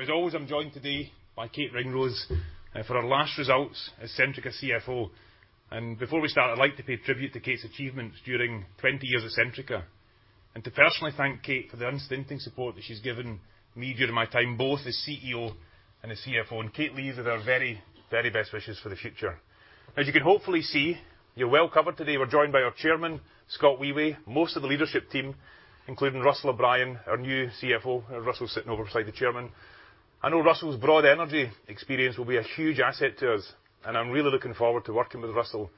As always, I'm joined today by Kate Ringrose, for our last results as Centrica CFO. Before we start, I'd like to pay tribute to Kate's achievements during 20 years at Centrica, and to personally thank Kate for the unstinting support that she's given me during my time, both as CEO and as CFO. Kate leaves with our very, very best wishes for the future. As you can hopefully see, you're well covered today. We're joined by our Chairman, Scott Wheway, most of the leadership team, including Russell O'Brien, our new CFO. Russell's sitting over beside the Chairman. I know Russell's broad energy experience will be a huge asset to us, and I'm really looking forward to working with Russell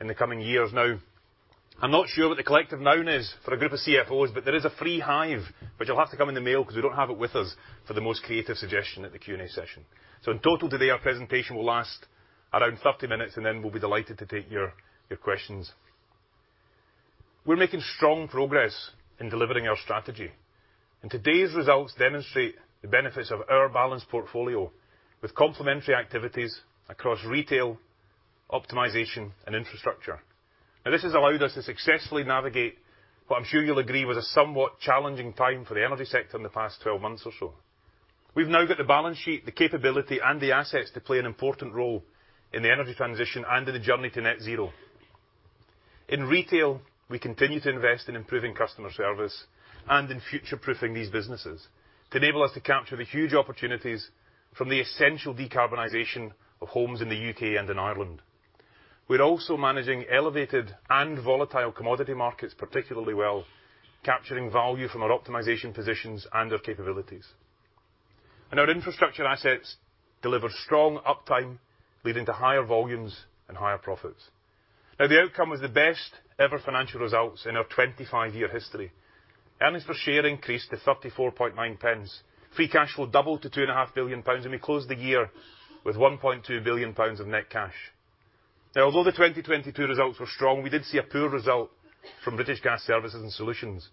in the coming years. I'm not sure what the collective noun is for a group of CFO's, but there is a free hive, which will have to come in the mail because we don't have it with us, for the most creative suggestion at the Q&A session. In total today, our presentation will last around 30 minutes, and then we'll be delighted to take your questions. We're making strong progress in delivering our strategy, and today's results demonstrate the benefits of our balanced portfolio, with complementary activities across retail, optimization and infrastructure. This has allowed us to successfully navigate what I'm sure you'll agree was a somewhat challenging time for the energy sector in the past 12 months or so. We've now got the balance sheet, the capability, and the assets to play an important role in the energy transition and in the journey to net zero. In retail, we continue to invest in improving customer service and in future-proofing these businesses to enable us to capture the huge opportunities from the essential decarbonization of homes in the UK and in Ireland. We're also managing elevated and volatile commodity markets particularly well, capturing value from our optimization positions and our capabilities. Our infrastructure assets deliver strong uptime, leading to higher volumes and higher profits. The outcome was the best ever financial results in our 25-year history. Earnings per share increased to 0.349. Free cash flow doubled to two and a half billion pounds, and we closed the year with 1.2 billion pounds of net cash. Although the 2022 results were strong, we did see a poor result from British Gas Services & Solutions.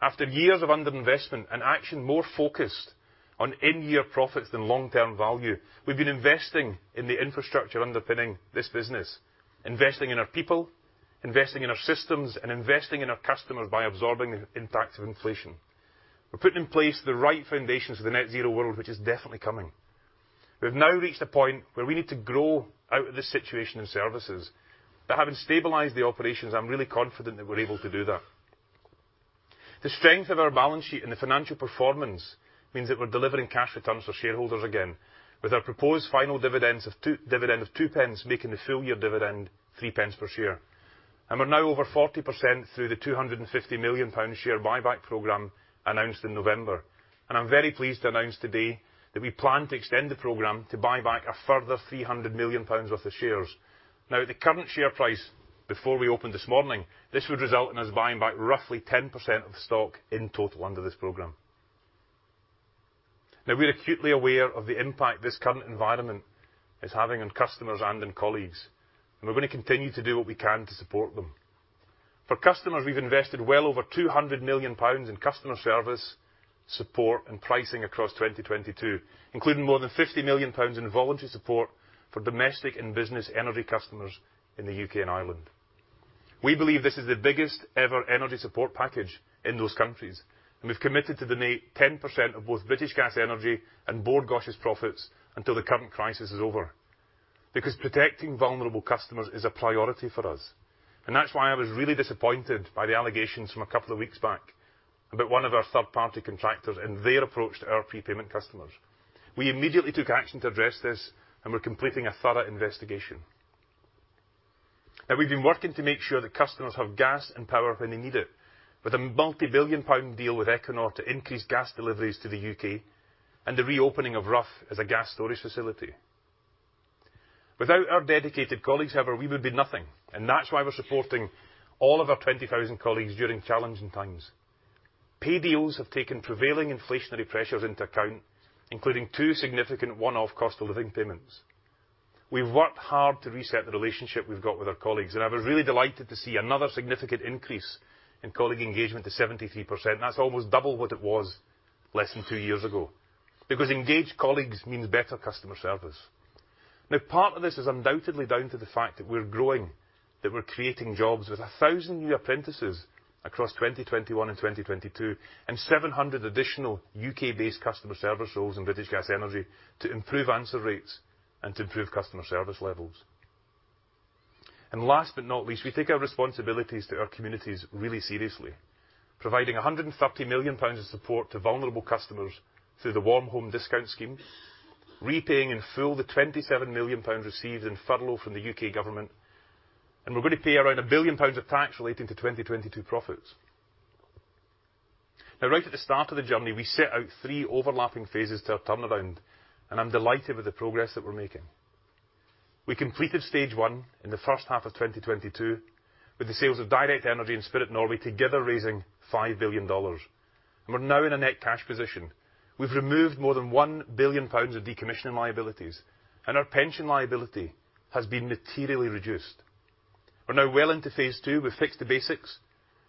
After years of underinvestment and action more focused on in-year profits than long-term value, we've been investing in the infrastructure underpinning this business, investing in our people, investing in our systems, and investing in our customers by absorbing the impacts of inflation. We're putting in place the right foundations for the net zero world, which is definitely coming. We've now reached a point where we need to grow out of this situation and services. Having stabilized the operations, I'm really confident that we're able to do that. The strength of our balance sheet and the financial performance means that we're delivering cash returns for shareholders again, with our proposed final dividend of 2 pence, making the full year dividend 3 pence per share. We're now over 40% through the 250 million pound share buyback program announced in November. I'm very pleased to announce today that we plan to extend the program to buy back a further 300 million pounds worth of shares. At the current share price before we opened this morning, this would result in us buying back roughly 10% of the stock in total under this program. We're acutely aware of the impact this current environment is having on customers and on colleagues, and we're gonna continue to do what we can to support them. For customers, we've invested well over 200 million pounds in customer service, support and pricing across 2022, including more than 50 million pounds in voluntary support for domestic and business energy customers in the U.K. and Ireland. We believe this is the biggest ever energy support package in those countries. We've committed to donate 10% of both British Gas Energy and Bord Gáis' profits until the current crisis is over. Protecting vulnerable customers is a priority for us. That's why I was really disappointed by the allegations from a couple of weeks back about one of our third-party contractors and their approach to our prepayment customers. We immediately took action to address this. We're completing a thorough investigation. We've been working to make sure that customers have gas and power when they need it. With a multi-billion GBP deal with Equinor to increase gas deliveries to the U.K. and the reopening of Rough as a gas storage facility. Without our dedicated colleagues, however, we would be nothing. That's why we're supporting all of our 20,000 colleagues during challenging times. Pay deals have taken prevailing inflationary pressures into account, including 2 significant one-off cost of living payments. We've worked hard to reset the relationship we've got with our colleagues, and I was really delighted to see another significant increase in colleague engagement to 73%. That's almost double what it was less than 2 years ago. Engaged colleagues means better customer service. Part of this is undoubtedly down to the fact that we're growing, that we're creating jobs with 1,000 new apprentices across 2021 and 2022, and 700 additional U.K.-based customer service roles in British Gas Energy to improve answer rates and to improve customer service levels. Last but not least, we take our responsibilities to our communities really seriously, providing 130 million pounds of support to vulnerable customers through the Warm Home Discount Scheme, repaying in full the 27 million pounds received in furlough from the U.K. government. We're gonna pay around 1 billion pounds of tax relating to 2022 profits. Right at the start of the journey, we set out three overlapping phases to our turnaround. I'm delighted with the progress that we're making. We completed stage one in the first half of 2022 with the sales of Direct Energy and Spirit Norway together, raising $5 billion. We're now in a net cash position. We've removed more than 1 billion pounds of decommissioning liabilities. Our pension liability has been materially reduced. We're now well into phase II. We've fixed the basics,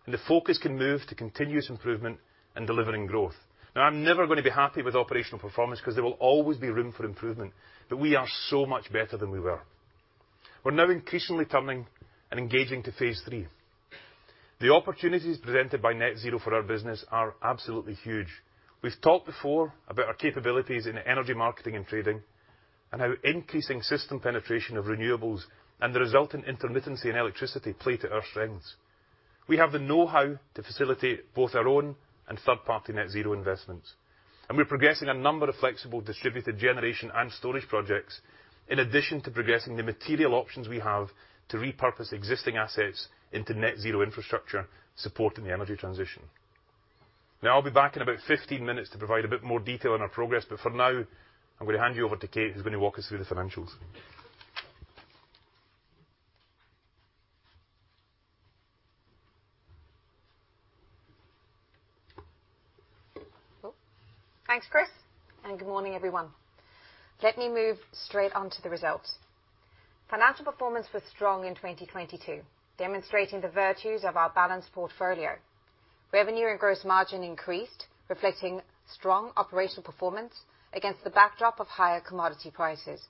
the focus can move to continuous improvement and delivering growth. Now, I'm never gonna be happy with operational performance, 'cause there will always be room for improvement, but we are so much better than we were. We're now increasingly turning and engaging to phase III. The opportunities presented by net zero for our business are absolutely huge. We've talked before about our capabilities in Energy Marketing & Trading, how increasing system penetration of renewables and the resulting intermittency and electricity play to our strengths. We have the know-how to facilitate both our own and third-party net zero investments. We're progressing a number of flexible distributed generation and storage projects, in addition to progressing the material options we have to repurpose existing assets into net zero infrastructure supporting the energy transition. I'll be back in about 15 minutes to provide a bit more detail on our progress. For now, I'm gonna hand you over to Kate, who's gonna walk us through the financials. Thanks, Chris. Good morning, everyone. Let me move straight on to the results. Financial performance was strong in 2022, demonstrating the virtues of our balanced portfolio. Revenue and gross margin increased, reflecting strong operational performance against the backdrop of higher commodity prices.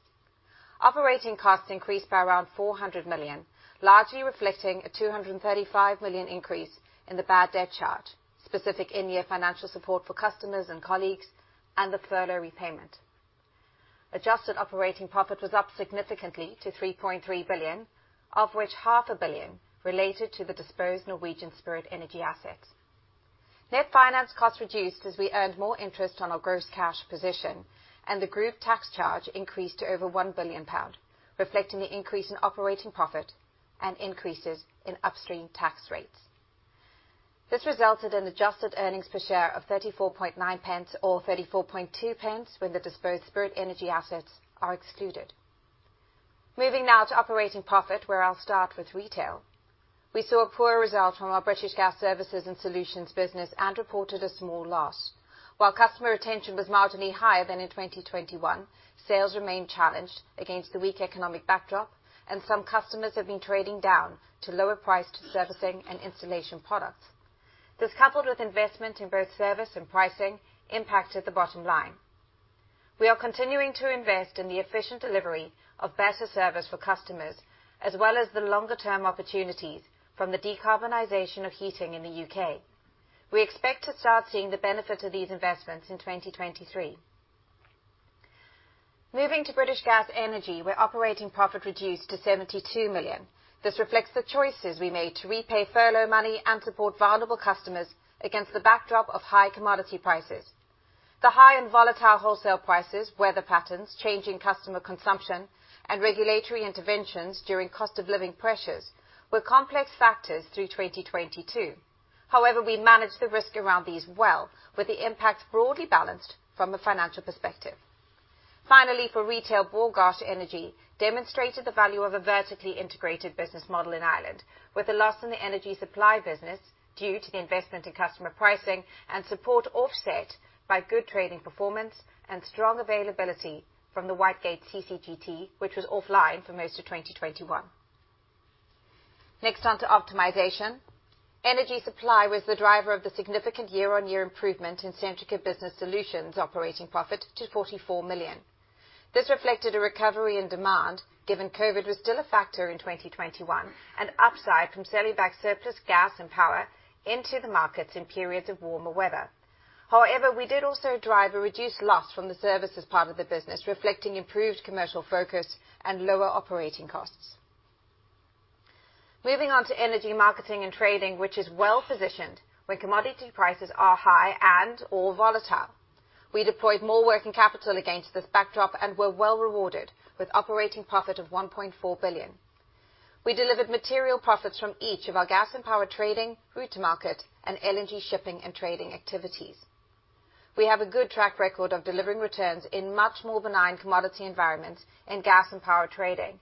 Operating costs increased by around 400 million, largely reflecting a 235 million increase in the bad debt charge, specific in-year financial support for customers and colleagues, and the furlough repayment. Adjusted operating profit was up significantly to 3.3 billion, of which half a billion related to the disposed Norwegian Spirit Energy assets. Net finance costs reduced as we earned more interest on our gross cash position, and the group tax charge increased to over 1 billion pound, reflecting the increase in operating profit and increases in upstream tax rates. This resulted in adjusted earnings per share of 34.9 pence, or 34.2 pence when the disposed Spirit Energy assets are excluded. Moving now to operating profit, where I'll start with retail. We saw a poor result from our British Gas Services & Solutions business and reported a small loss. While customer retention was marginally higher than in 2021, sales remained challenged against the weak economic backdrop, and some customers have been trading down to lower-priced servicing and installation products. This, coupled with investment in both service and pricing, impacted the bottom line. We are continuing to invest in the efficient delivery of better service for customers, as well as the longer term opportunities from the decarbonization of heating in the U.K. We expect to start seeing the benefit of these investments in 2023. Moving to British Gas Energy, where operating profit reduced to 72 million. This reflects the choices we made to repay furlough money and support vulnerable customers against the backdrop of high commodity prices. The high-end volatile wholesale prices, weather patterns, changing customer consumption, and regulatory interventions during cost of living pressures were complex factors through 2022. We managed the risk around these well, with the impact broadly balanced from a financial perspective. For retail, Bord Gáis Energy demonstrated the value of a vertically integrated business model in Ireland, with a loss in the energy supply business due to the investment in customer pricing and support offset by good trading performance and strong availability from the Whitegate CCGT, which was offline for most of 2021. On to optimization. Energy supply was the driver of the significant year-on-year improvement in Centrica Business Solutions operating profit to 44 million. This reflected a recovery in demand, given COVID was still a factor in 2021, an upside from selling back surplus gas and power into the markets in periods of warmer weather. We did also drive a reduced loss from the services part of the business, reflecting improved commercial focus and lower operating costs. Moving on to Energy Marketing & Trading, which is well-positioned when commodity prices are high and/or volatile. We deployed more working capital against this backdrop and were well-rewarded with operating profit of 1.4 billion. We delivered material profits from each of our gas and power trading, route to market, and LNG shipping and trading activities. We have a good track record of delivering returns in much more benign commodity environments in gas and power trading.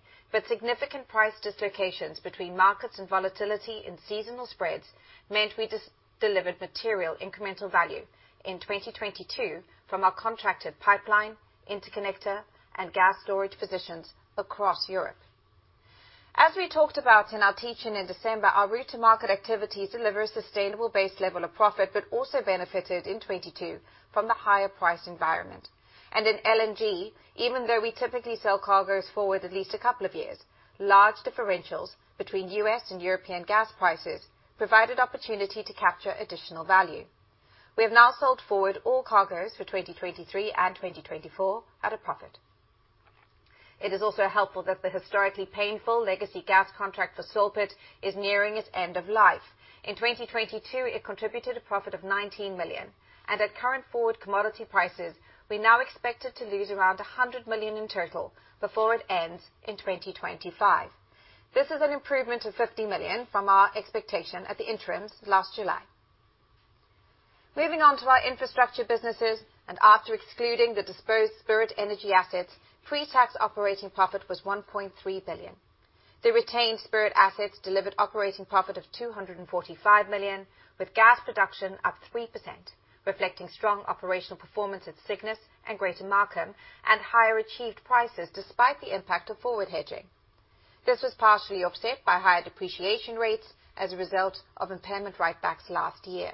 Significant price dislocations between markets and volatility in seasonal spreads meant we delivered material incremental value in 2022 from our contracted pipeline, interconnector, and gas storage positions across Europe. As we talked about in our teaching in December, our route to market activities deliver a sustainable base level of profit, but also benefited in 2022 from the higher price environment. In LNG, even though we typically sell cargoes forward at least a couple of years, large differentials between U.S. and European gas prices provided opportunity to capture additional value. We have now sold forward all cargoes for 2023 and 2024 at a profit. It is also helpful that the historically painful legacy gas contract for Sulpet is nearing its end of life. In 2022, it contributed a profit of 19 million. At current forward commodity prices, we now expect it to lose around 100 million in total before it ends in 2025. This is an improvement of 50 million from our expectation at the interims last July. Moving on to our infrastructure businesses, after excluding the disposed Spirit Energy assets, pre-tax operating profit was 1.3 billion. The retained Spirit assets delivered operating profit of 245 million, with gas production up 3%, reflecting strong operational performance at Cygnus and Greater Mark'em, and higher achieved prices despite the impact of forward hedging. This was partially offset by higher depreciation rates as a result of impairment write-backs last year.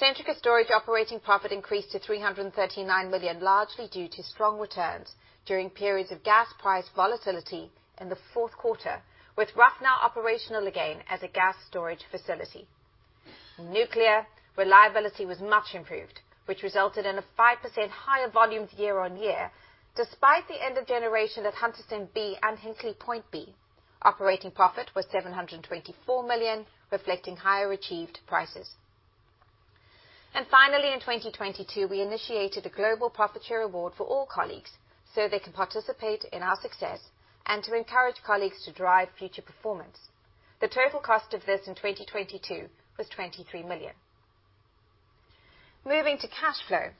Centrica Storage operating profit increased to 339 million, largely due to strong returns during periods of gas price volatility in the fourth quarter, with Rough now operational again as a gas storage facility. Nuclear reliability was much improved, which resulted in a 5% higher volume year-over-year, despite the end of generation at Hunterston B and Hinkley Point B. Operating profit was 724 million, reflecting higher achieved prices. Finally, in 2022, we initiated a global profit share award for all colleagues so they can participate in our success and to encourage colleagues to drive future performance. The total cost of this in 2022 was 23 million. Moving to cash flow.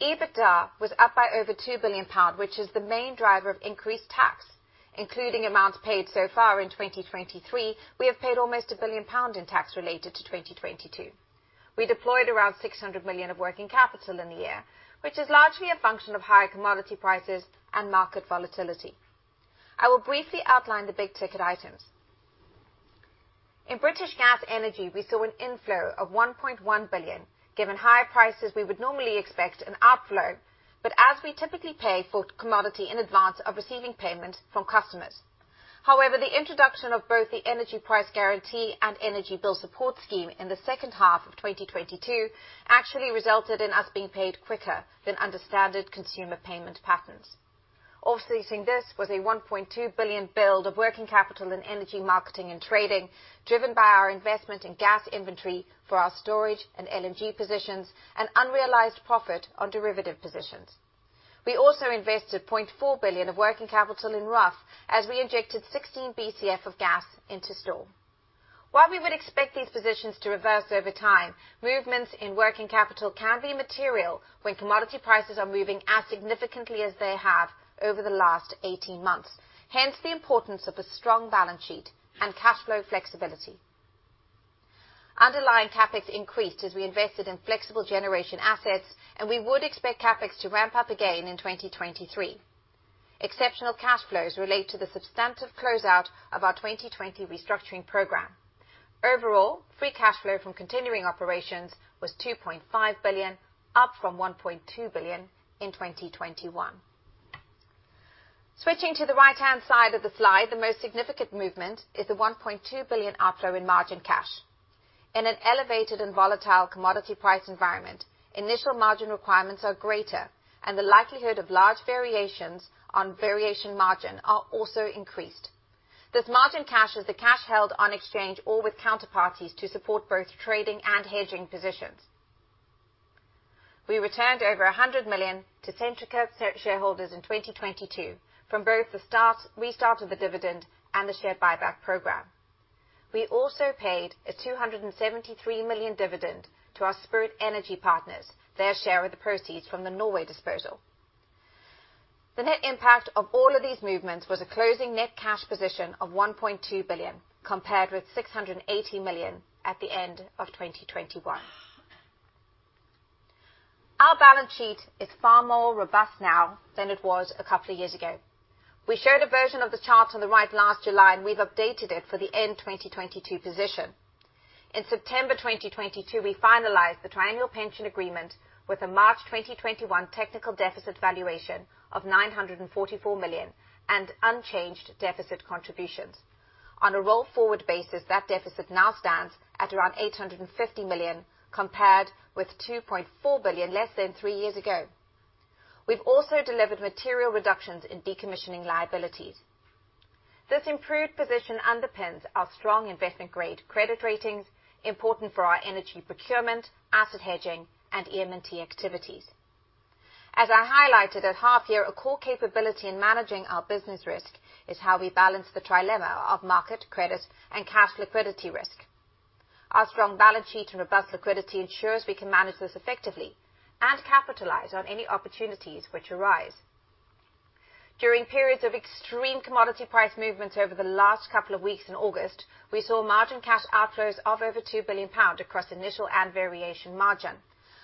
EBITDA was up by over 2 billion pounds, which is the main driver of increased tax. Including amounts paid so far in 2023, we have paid almost 1 billion pound in tax related to 2022. We deployed around 600 million of working capital in the year, which is largely a function of higher commodity prices and market volatility. I will briefly outline the big ticket items. In British Gas Energy, we saw an inflow of 1.1 billion. Given higher prices, we would normally expect an outflow, but as we typically pay for commodity in advance of receiving payment from customers. However, the introduction of both the Energy Price Guarantee and Energy Bills Support Scheme in the second half of 2022 actually resulted in us being paid quicker than under standard consumer payment patterns. Offsetting this was a 1.2 billion build of working capital in Energy Marketing & Trading, driven by our investment in gas inventory for our storage and LNG positions and unrealized profit on derivative positions. We also invested 0.4 billion of working capital in Rough as we injected 16 BCF of gas into store. While we would expect these positions to reverse over time, movements in working capital can be material when commodity prices are moving as significantly as they have over the last 18 months. The importance of a strong balance sheet and cash flow flexibility. Underlying CapEx increased as we invested in flexible generation assets, and we would expect CapEx to ramp up again in 2023. Exceptional cash flows relate to the substantive close out of our 2020 restructuring program. Overall, free cash flow from continuing operations was 2.5 billion, up from 1.2 billion in 2021. Switching to the right-hand side of the slide, the most significant movement is the 1.2 billion outflow in margin cash. In an elevated and volatile commodity price environment, initial margin requirements are greater, and the likelihood of large variations on variation margin are also increased. This margin cash is the cash held on exchange or with counterparties to support both trading and hedging positions. We returned over 100 million to Centrica shareholders in 2022 from both the start, restart of the dividend and the share buyback program. We also paid a 273 million dividend to our Spirit Energy partners their share of the proceeds from the Norway disposal. The net impact of all of these movements was a closing net cash position of 1.2 billion, compared with 680 million at the end of 2021. Our balance sheet is far more robust now than it was a couple of years ago. We showed a version of the chart on the right last July, we've updated it for the end 2022 position. In September 2022, we finalized the triennial pension agreement with a March 2021 technical deficit valuation of 944 million and unchanged deficit contributions. On a roll-forward basis, that deficit now stands at around 850 million, compared with 2.4 billion less than three years ago. We've also delivered material reductions in decommissioning liabilities. This improved position underpins our strong investment-grade credit ratings, important for our energy procurement, asset hedging, and E&T activities. As I highlighted at half year, a core capability in managing our business risk is how we balance the trilemma of market, credit, and cash liquidity risk. Our strong balance sheet and robust liquidity ensures we can manage this effectively and capitalize on any opportunities which arise. During periods of extreme commodity price movements over the last couple of weeks in August, we saw margin cash outflows of over 2 billion pound across initial and variation margin.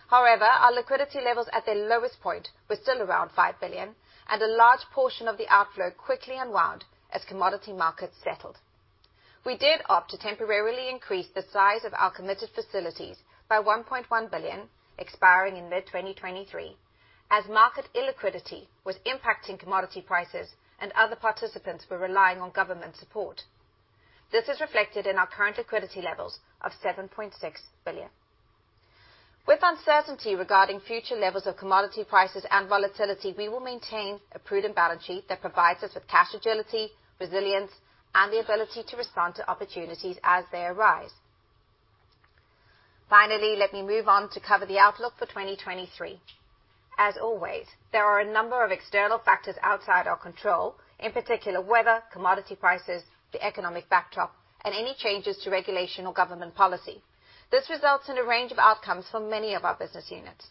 However, our liquidity levels at their lowest point were still around 5 billion, and a large portion of the outflow quickly unwound as commodity markets settled. We did opt to temporarily increase the size of our committed facilities by 1.1 billion, expiring in mid-2023, as market illiquidity was impacting commodity prices and other participants were relying on government support. This is reflected in our current liquidity levels of 7.6 billion. With uncertainty regarding future levels of commodity prices and volatility, we will maintain a prudent balance sheet that provides us with cash agility, resilience, and the ability to respond to opportunities as they arise. Let me move on to cover the outlook for 2023. There are a number of external factors outside our control, in particular weather, commodity prices, the economic backdrop, and any changes to regulation or government policy. This results in a range of outcomes for many of our business units.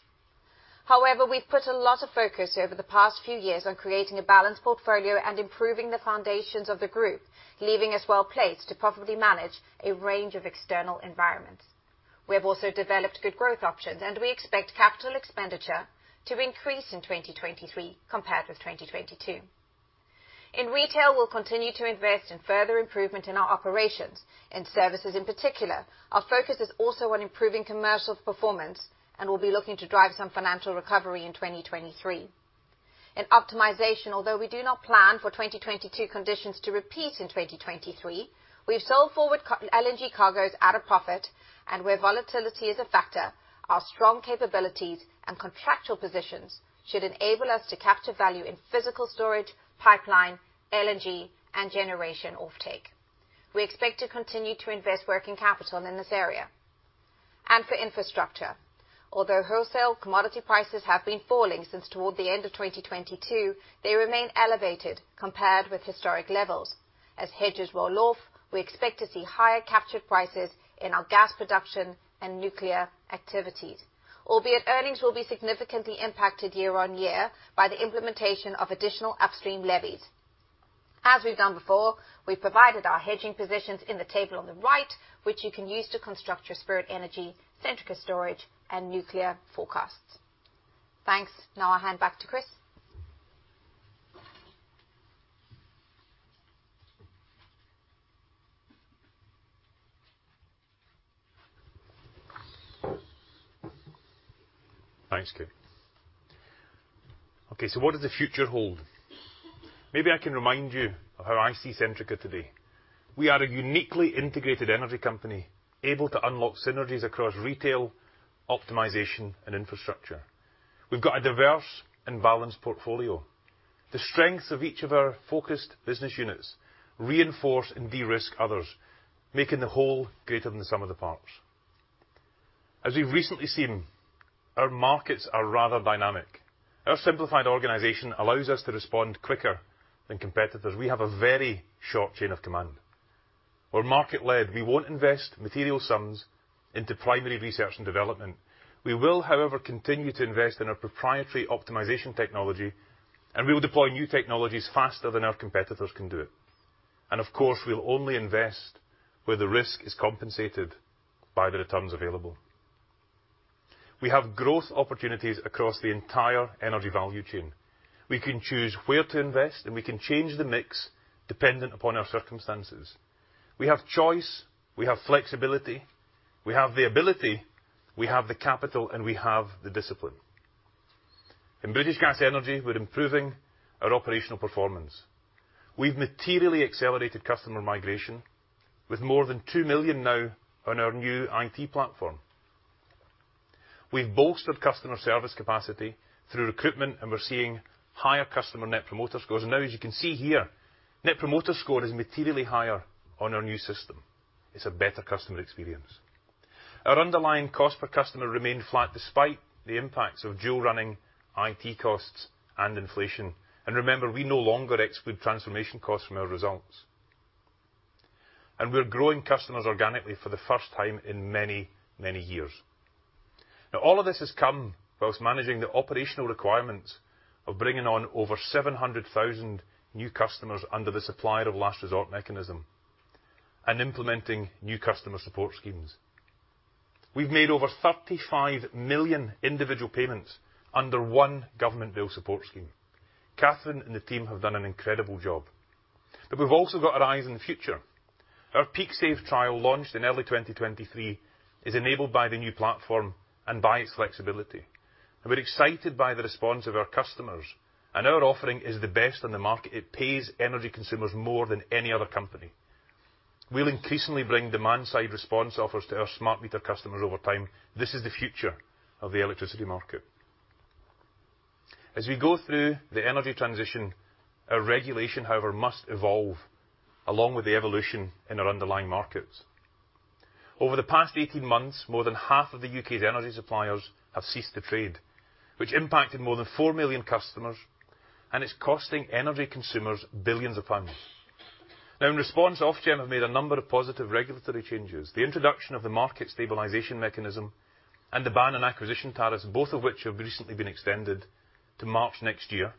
We've put a lot of focus over the past few years on creating a balanced portfolio and improving the foundations of the group, leaving us well-placed to properly manage a range of external environments. We have also developed good growth options, and we expect capital expenditure to increase in 2023 compared with 2022. In retail, we'll continue to invest in further improvement in our operations and services in particular. Our focus is also on improving commercial performance, and we'll be looking to drive some financial recovery in 2023. In optimization, although we do not plan for 2022 conditions to repeat in 2023, we've sold forward LNG cargos at a profit, and where volatility is a factor, our strong capabilities and contractual positions should enable us to capture value in physical storage, pipeline, LNG, and generation offtake. For infrastructure, although wholesale commodity prices have been falling since toward the end of 2022, they remain elevated compared with historic levels. As hedges roll off, we expect to see higher captured prices in our gas production and nuclear activities, albeit earnings will be significantly impacted year-on-year by the implementation of additional upstream levies. As we've done before, we've provided our hedging positions in the table on the right, which you can use to construct your Spirit Energy, Centrica Storage, and nuclear forecasts. Thanks. Now I hand back to Chris. Thanks, Kate. What does the future hold? Maybe I can remind you of how I see Centrica today. We are a uniquely integrated energy company, able to unlock synergies across retail, optimization, and infrastructure. We've got a diverse and balanced portfolio. The strengths of each of our focused business units reinforce and de-risk others, making the whole greater than the sum of the parts. As we've recently seen, our markets are rather dynamic. Our simplified organization allows us to respond quicker than competitors. We have a very short chain of command. We're market-led. We won't invest material sums into primary research and development. We will, however, continue to invest in our proprietary optimization technology, and we will deploy new technologies faster than our competitors can do it. We'll only invest where the risk is compensated by the returns available. We have growth opportunities across the entire energy value chain. We can choose where to invest, we can change the mix dependent upon our circumstances. We have choice, we have flexibility, we have the ability, we have the capital, and we have the discipline. In British Gas Energy, we're improving our operational performance. We've materially accelerated customer migration, with more than 2 million now on our new IT platform. We've bolstered customer service capacity through recruitment, we're seeing higher customer Net Promoter Scores. Now, as you can see here, Net Promoter Score is materially higher on our new system. It's a better customer experience. Our underlying cost per customer remained flat despite the impacts of dual running IT costs and inflation. Remember, we no longer exclude transformation costs from our results. We're growing customers organically for the first time in many, many years. All of this has come whilst managing the operational requirements of bringing on over 700,000 new customers under the Supplier of Last Resort mechanism and implementing new customer support schemes. We've made over 35 million individual payments under one government bill support scheme. Catherine and the team have done an incredible job. We've also got our eyes on the future. Our PeakSave trial, launched in early 2023, is enabled by the new platform and by its flexibility. We're excited by the response of our customers, and our offering is the best on the market. It pays energy consumers more than any other company. We'll increasingly bring demand-side response offers to our smart meter customers over time. This is the future of the electricity market. As we go through the energy transition, our regulation, however, must evolve along with the evolution in our underlying markets. Over the past 18 months, more than half of the U.K.'s energy suppliers have ceased to trade, which impacted more than 4 million customers, and it's costing energy consumers billions of GBP. In response, Ofgem have made a number of positive regulatory changes. The introduction of the market stabilization mechanism and the ban on acquisition tariffs, both of which have recently been extended to March next year,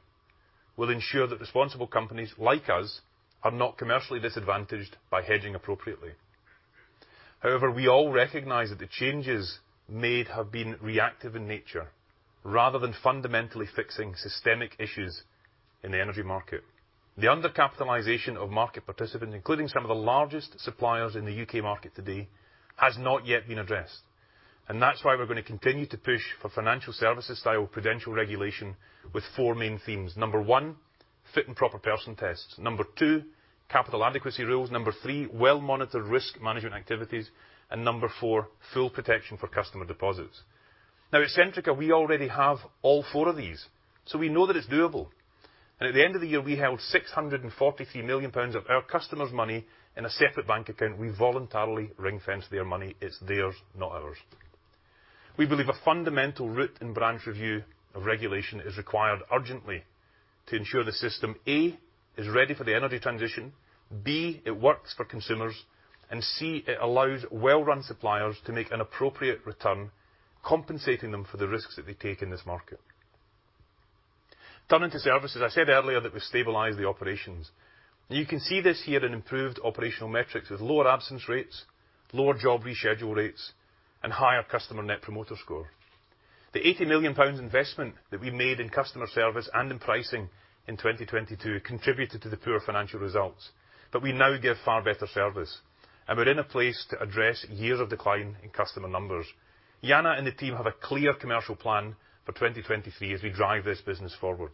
will ensure that responsible companies like us are not commercially disadvantaged by hedging appropriately. We all recognize that the changes made have been reactive in nature rather than fundamentally fixing systemic issues in the energy market. The undercapitalization of market participants, including some of the largest suppliers in the U.K. market today, has not yet been addressed, and that's why we're gonna continue to push for financial services-style prudential regulation with 4 main themes. Number 1, fit and proper person tests. Number two, capital adequacy rules. Number three, well-monitored risk management activities. Number four, full protection for customer deposits. At Centrica, we already have all four of these, we know that it's doable. At the end of the year, we held 643 million pounds of our customers' money in a separate bank account. We voluntarily ring-fence their money. It's theirs, not ours. We believe a fundamental root-and-branch review of regulation is required urgently to ensure the system, A, is ready for the energy transition, B, it works for consumers, and C, it allows well-run suppliers to make an appropriate return, compensating them for the risks that they take in this market. Turning to services, I said earlier that we've stabilized the operations. You can see this here in improved operational metrics with lower absence rates, lower job reschedule rates, and higher customer Net Promoter Score. The 80 million pounds investment that we made in customer service and in pricing in 2022 contributed to the poor financial results. We now give far better service, and we're in a place to address years of decline in customer numbers. Jana and the team have a clear commercial plan for 2023 as we drive this business forward.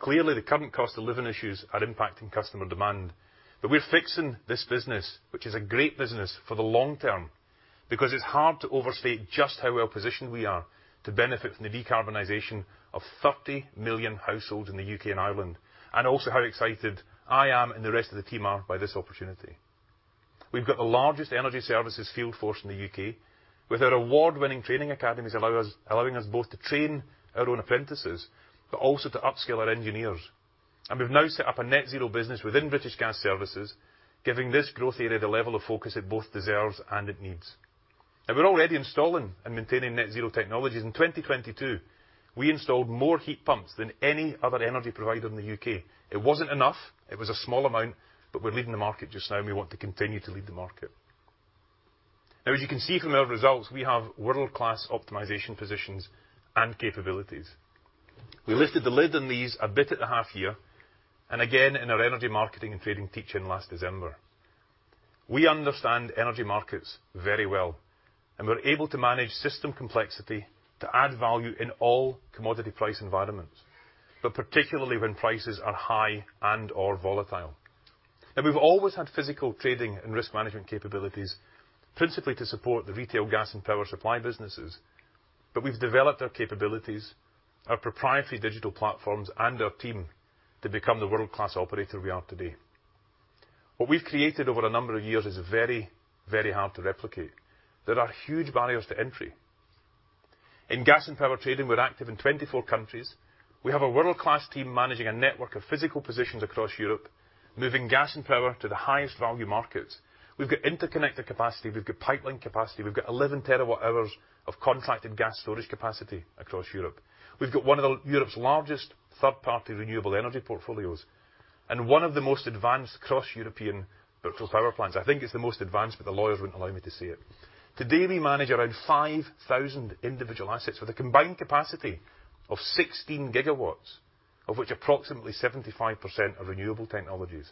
Clearly, the current cost of living issues are impacting customer demand, but we're fixing this business, which is a great business for the long term, because it's hard to overstate just how well-positioned we are to benefit from the decarbonization of 30 million households in the U.K. and Ireland, and also how excited I am, and the rest of the team are by this opportunity. We've got the largest energy services field force in the UK with our award-winning training academies allowing us both to train our own apprentices, but also to upskill our engineers. We've now set up a net zero business within British Gas Services, giving this growth area the level of focus it both deserves and it needs. We're already installing and maintaining net zero technologies. In 2022, we installed more heat pumps than any other energy provider in the UK. It wasn't enough. It was a small amount, but we're leading the market just now and we want to continue to lead the market. As you can see from our results, we have world-class optimization positions and capabilities. We lifted the lid on these a bit at the half year and again in our Energy Marketing & Trading teach-in last December. We understand energy markets very well, and we're able to manage system complexity to add value in all commodity price environments, particularly when prices are high and/or volatile. We've always had physical trading and risk management capabilities, principally to support the retail gas and power supply businesses. We've developed our capabilities, our proprietary digital platforms, and our team to become the world-class operator we are today. What we've created over a number of years is very, very hard to replicate. There are huge barriers to entry. In gas and power trading, we're active in 24 countries. We have a world-class team managing a network of physical positions across Europe, moving gas and power to the highest value markets. We've got interconnected capacity. We've got pipeline capacity. We've got 11 TWh of contracted gas storage capacity across Europe. We've got one of Europe's largest third-party renewable energy portfolios and one of the most advanced cross-European virtual power plants. I think it's the most advanced, the lawyers wouldn't allow me to say it. Today, we manage around 5,000 individual assets with a combined capacity of 16 gigawatts, of which approximately 75% are renewable technologies.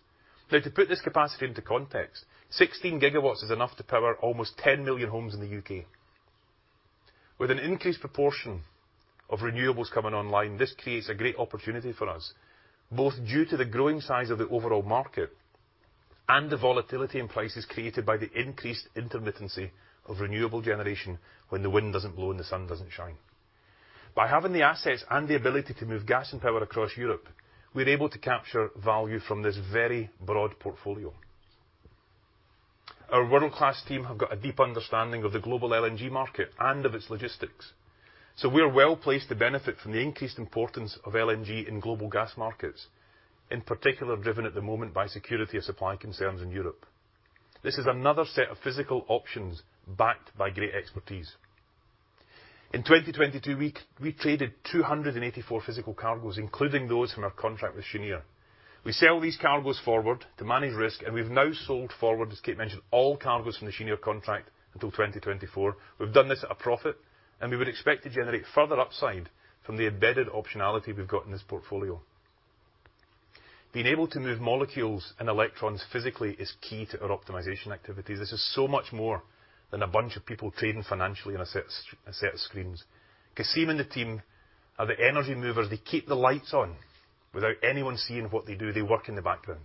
To put this capacity into context, 16 gigawatts is enough to power almost 10 million homes in the U.K. With an increased proportion of renewables coming online, this creates a great opportunity for us, both due to the growing size of the overall market and the volatility in prices created by the increased intermittency of renewable generation when the wind doesn't blow and the sun doesn't shine. By having the assets and the ability to move gas and power across Europe, we're able to capture value from this very broad portfolio. Our world-class team have got a deep understanding of the global LNG market and of its logistics, so we are well placed to benefit from the increased importance of LNG in global gas markets, in particular, driven at the moment by security of supply concerns in Europe. This is another set of physical options backed by great expertise. In 2022, we traded 284 physical cargos, including those from our contract with Cheniere. We sell these cargos forward to manage risk. We've now sold forward, as Kate mentioned, all cargos from the Cheniere contract until 2024. We've done this at a profit. We would expect to generate further upside from the embedded optionality we've got in this portfolio. Being able to move molecules and electrons physically is key to our optimization activities. This is so much more than a bunch of people trading financially on a set of screens. Kassim and the team are the energy movers. They keep the lights on. Without anyone seeing what they do, they work in the background.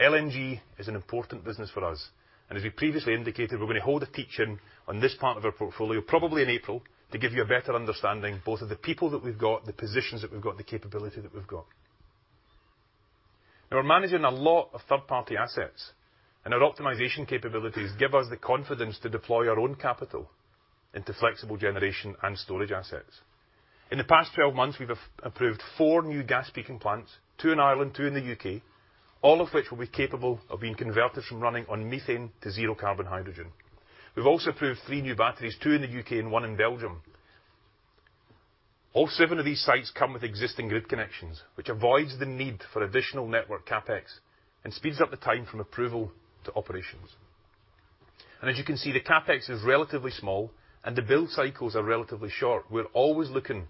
LNG is an important business for us. As we previously indicated, we're gonna hold a teach-in on this part of our portfolio, probably in April, to give you a better understanding both of the people that we've got, the positions that we've got, the capability that we've got. We're managing a lot of third-party assets, and our optimization capabilities give us the confidence to deploy our own capital into flexible generation and storage assets. In the past 12 months, we've approved 4 new gas peaking plants, 2 in Ireland, 2 in the UK, all of which will be capable of being converted from running on methane to zero carbon hydrogen. We've also approved 3 new batteries, 2 in the UK and 1 in Belgium. All 7 of these sites come with existing grid connections, which avoids the need for additional network CapEx and speeds up the time from approval to operations. As you can see, the CapEx is relatively small and the build cycles are relatively short. We're always looking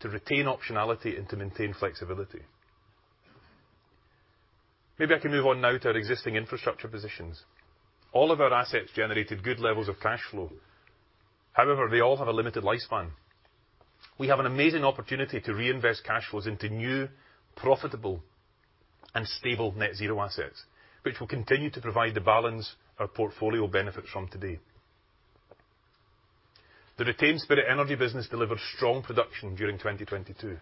to retain optionality and to maintain flexibility. Maybe I can move on now to our existing infrastructure positions. All of our assets generated good levels of cash flow. However, they all have a limited lifespan. We have an amazing opportunity to reinvest cash flows into new, profitable, and stable net zero assets, which will continue to provide the balance our portfolio benefits from today. The retained Spirit Energy business delivered strong production during 2022.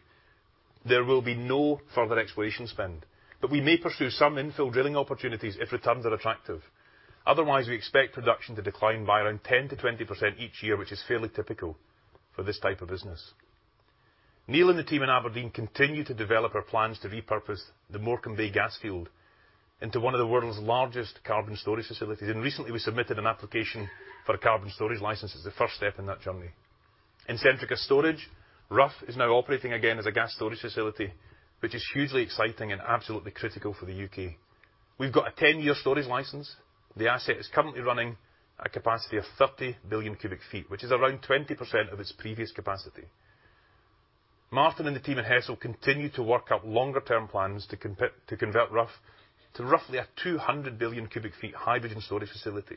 There will be no further exploration spend, but we may pursue some infill drilling opportunities if returns are attractive. Otherwise, we expect production to decline by around 10%-20% each year, which is fairly typical for this type of business. Neil and the team in Aberdeen continue to develop our plans to repurpose the Morecambe Bay gas field into one of the world's largest carbon storage facilities. Recently, we submitted an application for a carbon storage license as the first step in that journey. In Centrica Storage, Rough is now operating again as a gas storage facility, which is hugely exciting and absolutely critical for the U.K. We've got a 10-year storage license. The asset is currently running at a capacity of 30 billion cubic feet, which is around 20% of its previous capacity. Martin and the team in Hessle continue to work up longer term plans to convert Rough, to roughly a 200 billion cubic feet hydrogen storage facility,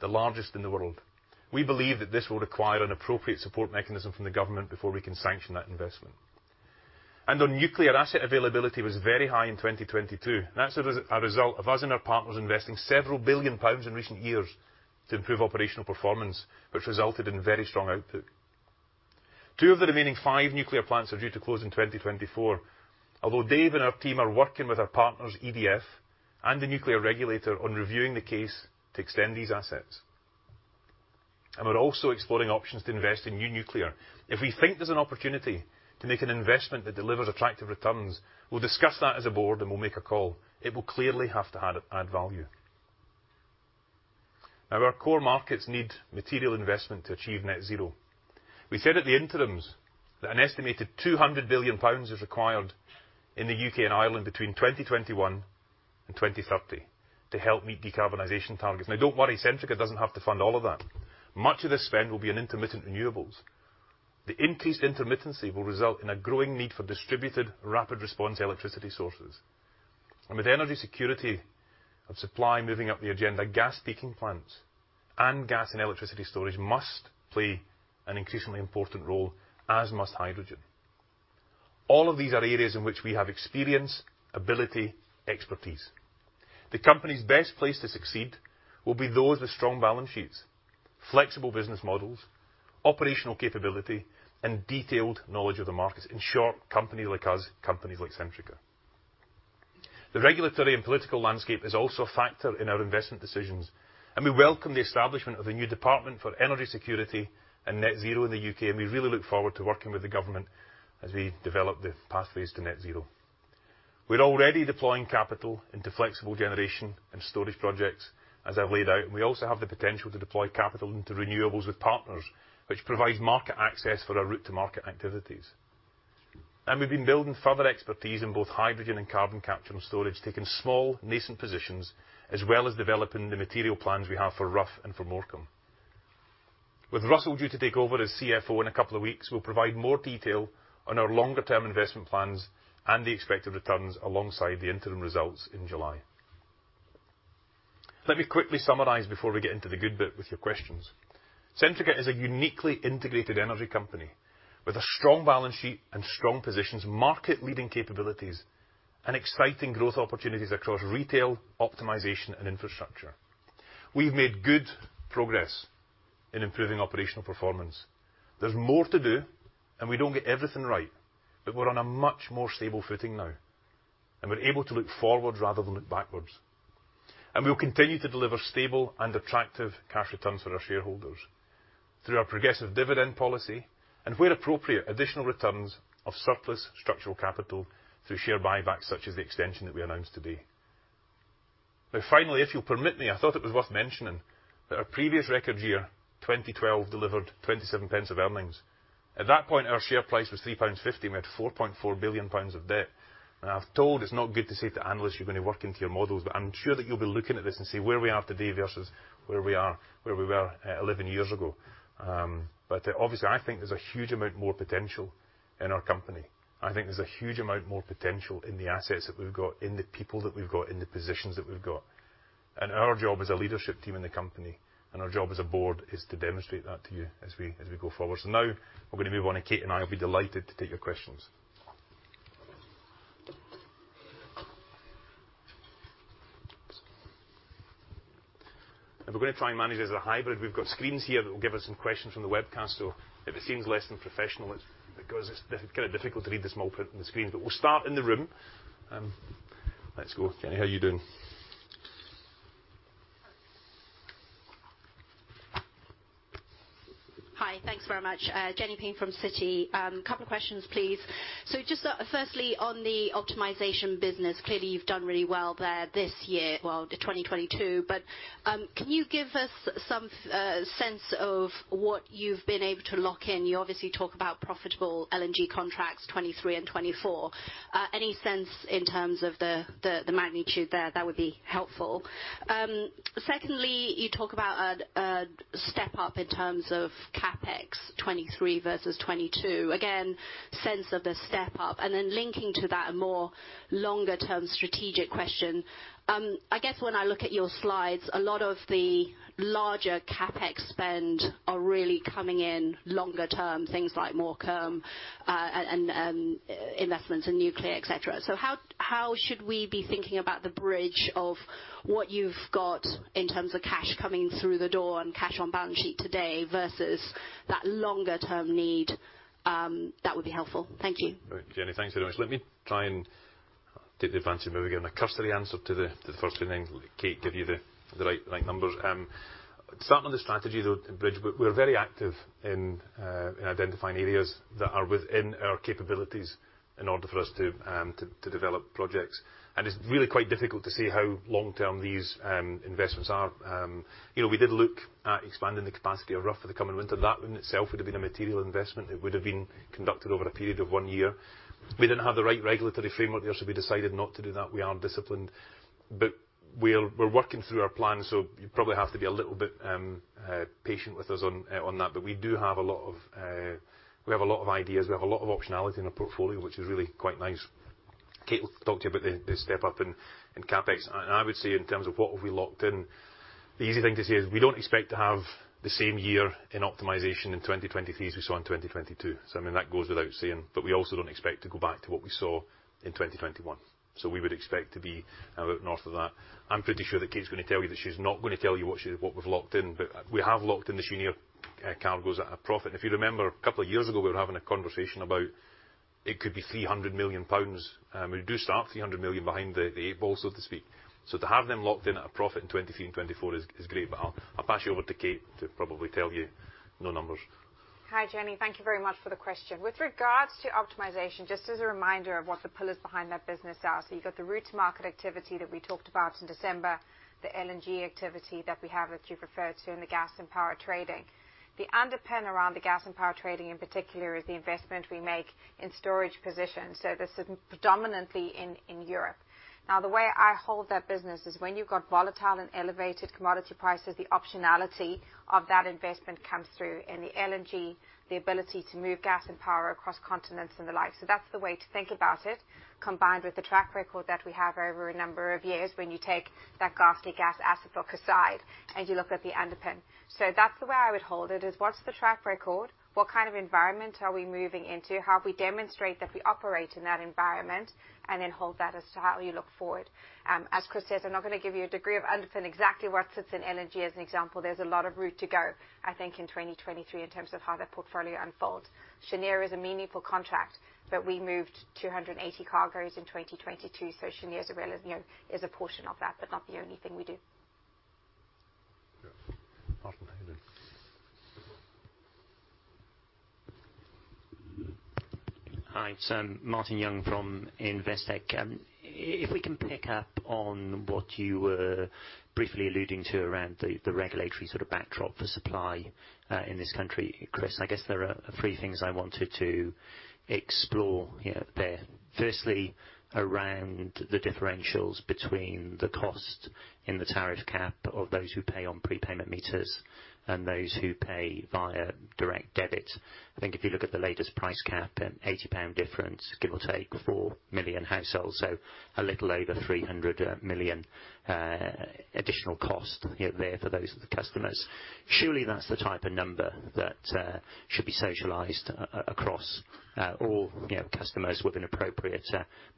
the largest in the world. We believe that this will require an appropriate support mechanism from the government before we can sanction that investment. On nuclear, asset availability was very high in 2022, and that's a result of us and our partners investing several billion pounds in recent years to improve operational performance, which resulted in very strong output. Two of the remaining five nuclear plants are due to close in 2024, although Dave and our team are working with our partners, EDF, and the nuclear regulator on reviewing the case to extend these assets. We're also exploring options to invest in new nuclear. If we think there's an opportunity to make an investment that delivers attractive returns, we'll discuss that as a board, and we'll make a call. It will clearly have to add value. Our core markets need material investment to achieve net zero. We said at the interims that an estimated 200 billion pounds is required in the UK and Ireland between 2021 and 2030 to help meet decarbonization targets. Don't worry, Centrica doesn't have to fund all of that. Much of this spend will be in intermittent renewables. The increased intermittency will result in a growing need for distributed rapid response electricity sources. With energy security of supply moving up the agenda, gas peaking plants and gas and electricity storage must play an increasingly important role, as must hydrogen. All of these are areas in which we have experience, ability, expertise. The company's best place to succeed will be those with strong balance sheets, flexible business models, operational capability, and detailed knowledge of the markets. In short, companies like us, companies like Centrica. The regulatory and political landscape is also a factor in our investment decisions, and we welcome the establishment of a new Department for Energy Security and Net Zero in the U.K., and we really look forward to working with the government as we develop the pathways to net zero. We're already deploying capital into flexible generation and storage projects, as I've laid out, and we also have the potential to deploy capital into renewables with partners, which provides market access for our route to market activities. We've been building further expertise in both hydrogen and carbon capture and storage, taking small, nascent positions, as well as developing the material plans we have for Rough and for Morecambe. With Russell due to take over as CFO in a couple of weeks, we'll provide more detail on our longer-term investment plans and the expected returns alongside the interim results in July. Let me quickly summarize before we get into the good bit with your questions. Centrica is a uniquely integrated energy company with a strong balance sheet and strong positions, market-leading capabilities, and exciting growth opportunities across retail, optimization, and infrastructure. We've made good progress in improving operational performance. There's more to do, and we don't get everything right, but we're on a much more stable footing now, and we're able to look forward rather than look backwards. We'll continue to deliver stable and attractive cash returns for our shareholders through our progressive dividend policy and where appropriate, additional returns of surplus structural capital through share buybacks such as the extension that we announced today. Finally, if you'll permit me, I thought it was worth mentioning that our previous record year, 2012, delivered 0.27 of earnings. At that point, our share price was 3.50 pounds, and we had 4.4 billion pounds of debt. I've told it's not good to say to analysts you're gonna work into your models, but I'm sure that you'll be looking at this and see where we are today versus where we were 11 years ago. Obviously I think there's a huge amount more potential in our company. I think there's a huge amount more potential in the assets that we've got, in the people that we've got, in the positions that we've got. Our job as a leadership team in the company and our job as a board is to demonstrate that to you as we go forward. Now we're gonna move on, Kate and I will be delighted to take your questions. We're gonna try and manage as a hybrid. We've got screens here that will give us some questions from the webcast. If it seems less than professional, it's because it's kinda difficult to read the small print in the screen. We'll start in the room. Let's go. Jenny, how are you doing? Hi. Thanks very much. Jenny Ping from Citi. Couple questions, please. Just, firstly on the optimization business, clearly you've done really well there this year, well, 2022, but, can you give us some sense of what you've been able to lock in? You obviously talk about profitable LNG contracts, 2023 and 2024. Any sense in terms of the magnitude there, that would be helpful. Secondly, you talk about a step up in terms of CapEx, 2023 versus 2022. Again, sense of the step up, and then linking to that a more longer term strategic question, I guess when I look at your slides, a lot of the larger CapEx spend are really coming in longer term, things like Morecambe, and, investments in nuclear, et cetera. How should we be thinking about the bridge of what you've got in terms of cash coming through the door and cash on balance sheet today versus that longer term need, that would be helpful. Thank you. All right, Jenny, thanks very much. Let me try and take the advantage of maybe giving a cursory answer to the first few things. Let Kate give you the right numbers. Starting on the strategy, though, the bridge, we're very active in identifying areas that are within our capabilities in order for us to develop projects. It's really quite difficult to say how long-term these investments are. You know, we did look at expanding the capacity of Rough for the coming winter. That in itself would have been a material investment. It would have been conducted over a period of 1 year. We didn't have the right regulatory framework there, so we decided not to do that. We are disciplined. We're working through our plan, so you probably have to be a little bit patient with us on that. We have a lot of ideas, we have a lot of optionality in our portfolio, which is really quite nice. Kate will talk to you about the step-up in CapEx. I would say in terms of what have we locked in, the easy thing to say is we don't expect to have the same year in optimization in 2023 as we saw in 2022. I mean, that goes without saying. We also don't expect to go back to what we saw in 2021. We would expect to be a bit north of that. I'm pretty sure that Kate's gonna tell you that she's not gonna tell you what we've locked in. We have locked in the Cheniere cargoes at a profit. If you remember, a couple of years ago, we were having a conversation about it could be 300 million pounds, we do start 300 million behind the eight ball, so to speak. To have them locked in at a profit in 2023 and 2024 is great, but I'll pass you over to Kate to probably tell you no numbers. Hi, Jenny. Thank you very much for the question. With regards to optimization, just as a reminder of what the pillars behind that business are. You've got the route to market activity that we talked about in December, the LNG activity that we have, as you've referred to, and the gas and power trading. The underpin around the gas and power trading in particular is the investment we make in storage positions. This is predominantly in Europe. The way I hold that business is when you've got volatile and elevated commodity prices, the optionality of that investment comes through. In the LNG, the ability to move gas and power across continents and the like. That's the way to think about it, combined with the track record that we have over a number of years when you take that gas-to-gas asset book aside and you look at the underpin. That's the way I would hold it, is what's the track record? What kind of environment are we moving into? How have we demonstrate that we operate in that environment? Hold that as to how you look forward. As Chris says, I'm not gonna give you a degree of underpin exactly what sits in LNG as an example. There's a lot of route to go, I think, in 2023 in terms of how that portfolio unfolds. Cheniere is a meaningful contract, but we moved 280 cargos in 2022. Cheniere is a real, you know, is a portion of that, but not the only thing we do. Martin, go ahead. Hi, it's Martin Young from Investec. If we can pick up on what you were briefly alluding to around the regulatory sort of backdrop for supply in this country. Chris, I guess there are three things I wanted to explore, you know, there. Firstly, around the differentials between the cost in the tariff cap of those who pay on prepayment meters and those who pay via direct debit. I think if you look at the latest price cap, an 80 pound difference, give or take, 4 million households. A little over 300 million additional cost, you know, there for those customers. Surely that's the type of number that should be socialized across all, you know, customers with an appropriate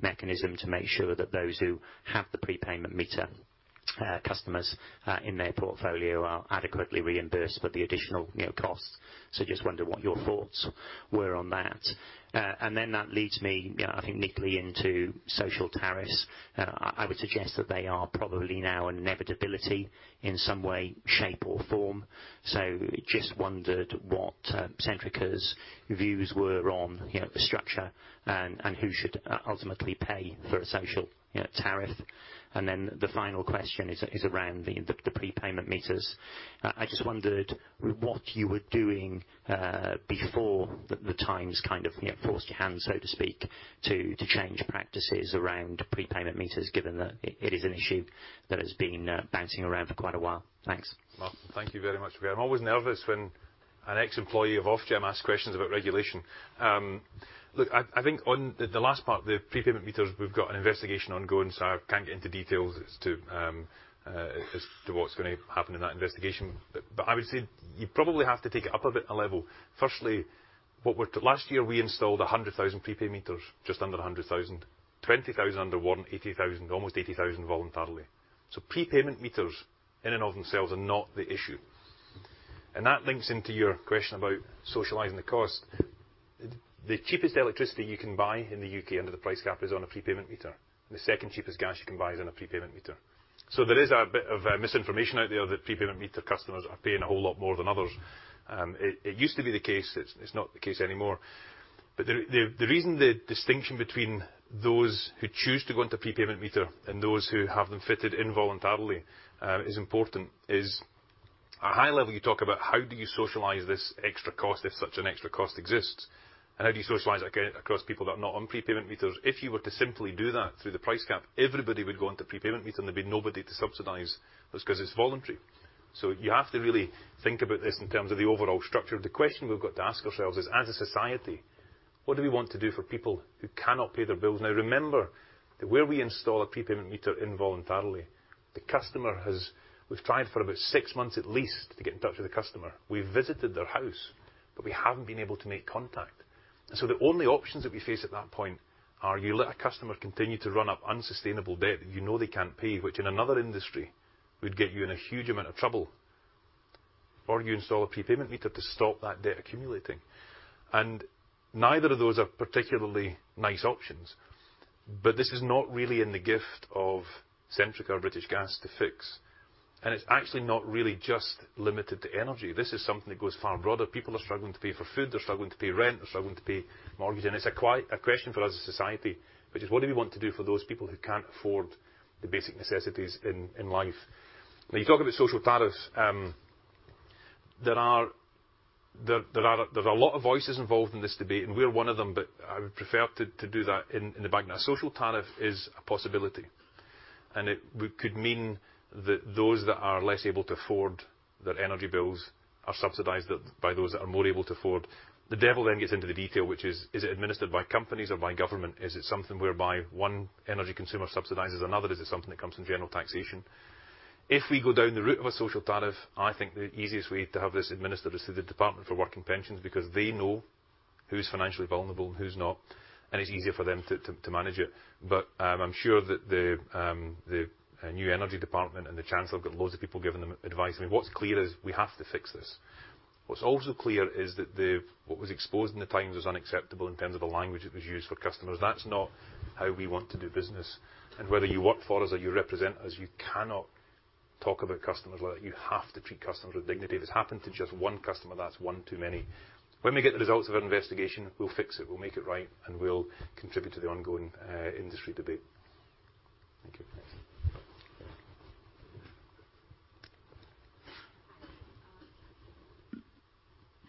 mechanism to make sure that those who have the prepayment meter customers in their portfolio are adequately reimbursed for the additional, you know, costs. Just wonder what your thoughts were on that. That leads me, I think neatly into social tariffs. I would suggest that they are probably now an inevitability in some way, shape, or form. Just wondered what Centrica's views were on, you know, the structure and who should ultimately pay for a social, you know, tariff. The final question is around the prepayment meters. I just wondered what you were doing before the Times kind of, you know, forced your hand, so to speak, to change practices around prepayment meters, given that it is an issue that has been bouncing around for quite a while. Thanks. Martin, thank you very much. I'm always nervous when an ex-employee of Ofgem asks questions about regulation. Look, I think on the last part, the prepayment meters, we've got an investigation ongoing, so I can't get into details as to what's gonna happen in that investigation. I would say you probably have to take it up a bit, a level. Firstly, last year, we installed 100,000 prepayment meters, just under 100,000. 20,000 under warrant, 80,000, almost 80,000 voluntarily. Prepayment meters in and of themselves are not the issue. That links into your question about socializing the cost. The cheapest electricity you can buy in the U.K. under the price cap is on a prepayment meter, and the second cheapest gas you can buy is on a prepayment meter. There is a bit of misinformation out there that prepayment meter customers are paying a whole lot more than others. It used to be the case. It's not the case anymore. The reason the distinction between those who choose to go onto prepayment meter and those who have them fitted involuntarily is important is at high level, you talk about how do you socialize this extra cost if such an extra cost exists, and how do you socialize it, again, across people that are not on prepayment meters? If you were to simply do that through the price cap, everybody would go onto prepayment meter, and there'd be nobody to subsidize this 'cause it's voluntary. You have to really think about this in terms of the overall structure. The question we've got to ask ourselves is, as a society, what do we want to do for people who cannot pay their bills? Remember that where we install a prepayment meter involuntarily, we've tried for about 6 months at least to get in touch with the customer. We've visited their house, but we haven't been able to make contact. The only options that we face at that point are you let a customer continue to run up unsustainable debt that you know they can't pay, which in another industry would get you in a huge amount of trouble, or you install a prepayment meter to stop that debt accumulating. Neither of those are particularly nice options. This is not really in the gift of Centrica or British Gas to fix. It's actually not really just limited to energy. This is something that goes far broader. People are struggling to pay for food, they're struggling to pay rent, they're struggling to pay mortgage. It's a question for us as a society, which is, what do we want to do for those people who can't afford the basic necessities in life? Now, you talk about social tariffs. There are a lot of voices involved in this debate, and we're one of them, but I would prefer to do that in the background. A social tariff is a possibility, and it could mean that those that are less able to afford their energy bills are subsidized by those that are more able to afford. The devil then gets into the detail, which is it administered by companies or by government? Is it something whereby one energy consumer subsidizes another? Is it something that comes in general taxation? If we go down the route of a social tariff, I think the easiest way to have this administered is through the Department for Work and Pensions because they know who's financially vulnerable and who's not, and it's easier for them to manage it. I'm sure that the new Energy Department and the Chancellor have got loads of people giving them advice. I mean, what's clear is we have to fix this. What's also clear is that what was exposed in The Times was unacceptable in terms of the language that was used for customers. That's not how we want to do business, and whether you work for us or you represent us, you cannot talk about customers like that. You have to treat customers with dignity. If it's happened to just one customer, that's one too many. When we get the results of our investigation, we'll fix it. We'll make it right, and we'll contribute to the ongoing industry debate. Thank you. Thanks.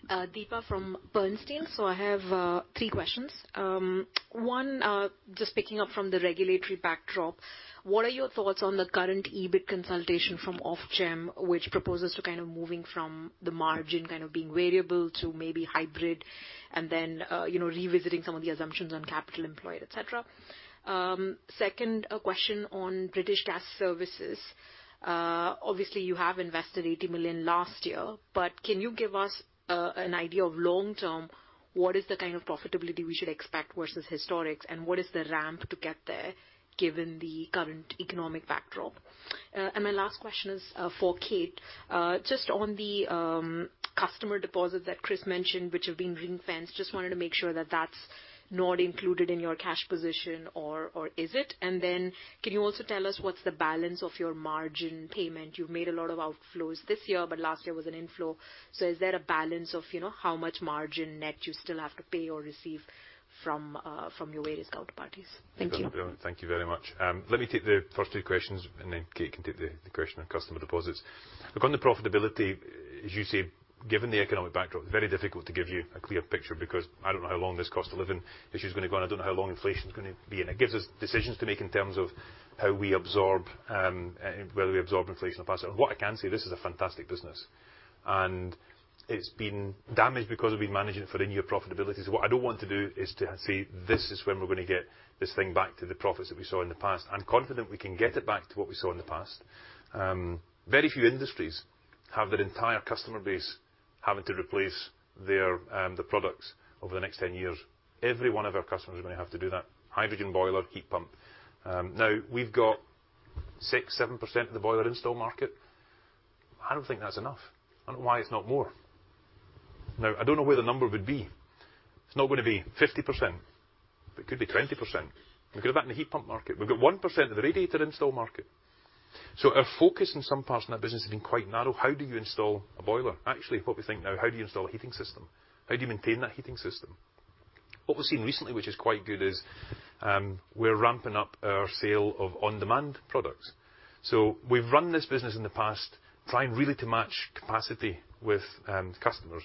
Deepa from Bernstein. I have three questions. One, just picking up from the regulatory backdrop, what are your thoughts on the current EBIT consultation from Ofgem, which proposes to kind of moving from the margin kind of being variable to maybe hybrid and then, you know, revisiting some of the assumptions on capital employed, et cetera? Second question on British Gas Services. Obviously you have invested 80 million last year, but can you give us an idea of long-term, what is the kind of profitability we should expect versus historics, and what is the ramp to get there given the current economic backdrop? My last question is for Kate. Just on the customer deposit that Chris mentioned, which have been ring-fenced, just wanted to make sure that that's not included in your cash position or is it? Can you also tell us what's the balance of your margin payment? You've made a lot of outflows this year, but last year was an inflow. Is there a balance of, you know, how much margin net you still have to pay or receive from your various counterparties? Thank you. Thank you very much. Let me take the first two questions and then Kate can take the question on customer deposits. Look, on the profitability, as you say, given the economic backdrop, very difficult to give you a clear picture because I don't know how long this cost of living issue is gonna go on. I don't know how long inflation is gonna be, and it gives us decisions to make in terms of how we absorb, whether we absorb inflation or pass it on. What I can say, this is a fantastic business, and it's been damaged because we've been managing it for the near profitability. What I don't want to do is to say, "This is when we're gonna get this thing back to the profits that we saw in the past." I'm confident we can get it back to what we saw in the past. Very few industries have their entire customer base having to replace their products over the next 10 years. Every one of our customers is gonna have to do that. Hydrogen boiler, heat pump. Now we've got 6%, 7% of the boiler install market. I don't think that's enough. I don't know why it's not more. I don't know where the number would be. It's not gonna be 50%. It could be 20%. We could have that in the heat pump market. We've got 1% of the radiator install market. Our focus in some parts of that business has been quite narrow. How do you install a boiler? Actually, what we think now, how do you install a heating system? How do you maintain that heating system? What we've seen recently, which is quite good, is we're ramping up our sale of on-demand products. We've run this business in the past, trying really to match capacity with customers.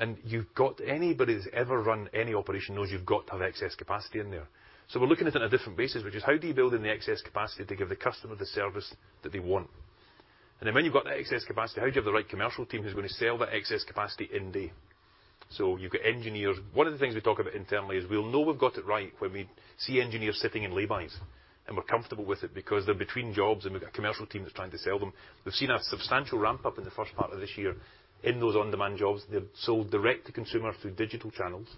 Anybody that's ever run any operation knows you've got to have excess capacity in there. We're looking at it on a different basis, which is how do you build in the excess capacity to give the customer the service that they want? Then when you've got that excess capacity, how do you have the right commercial team who's gonna sell that excess capacity in day? You've got engineers. One of the things we talk about internally is we'll know we've got it right when we see engineers sitting in lay-bys, and we're comfortable with it because they're between jobs, and we've got a commercial team that's trying to sell them. We've seen a substantial ramp-up in the first part of this year in those on-demand jobs. They're sold direct to consumer through digital channels.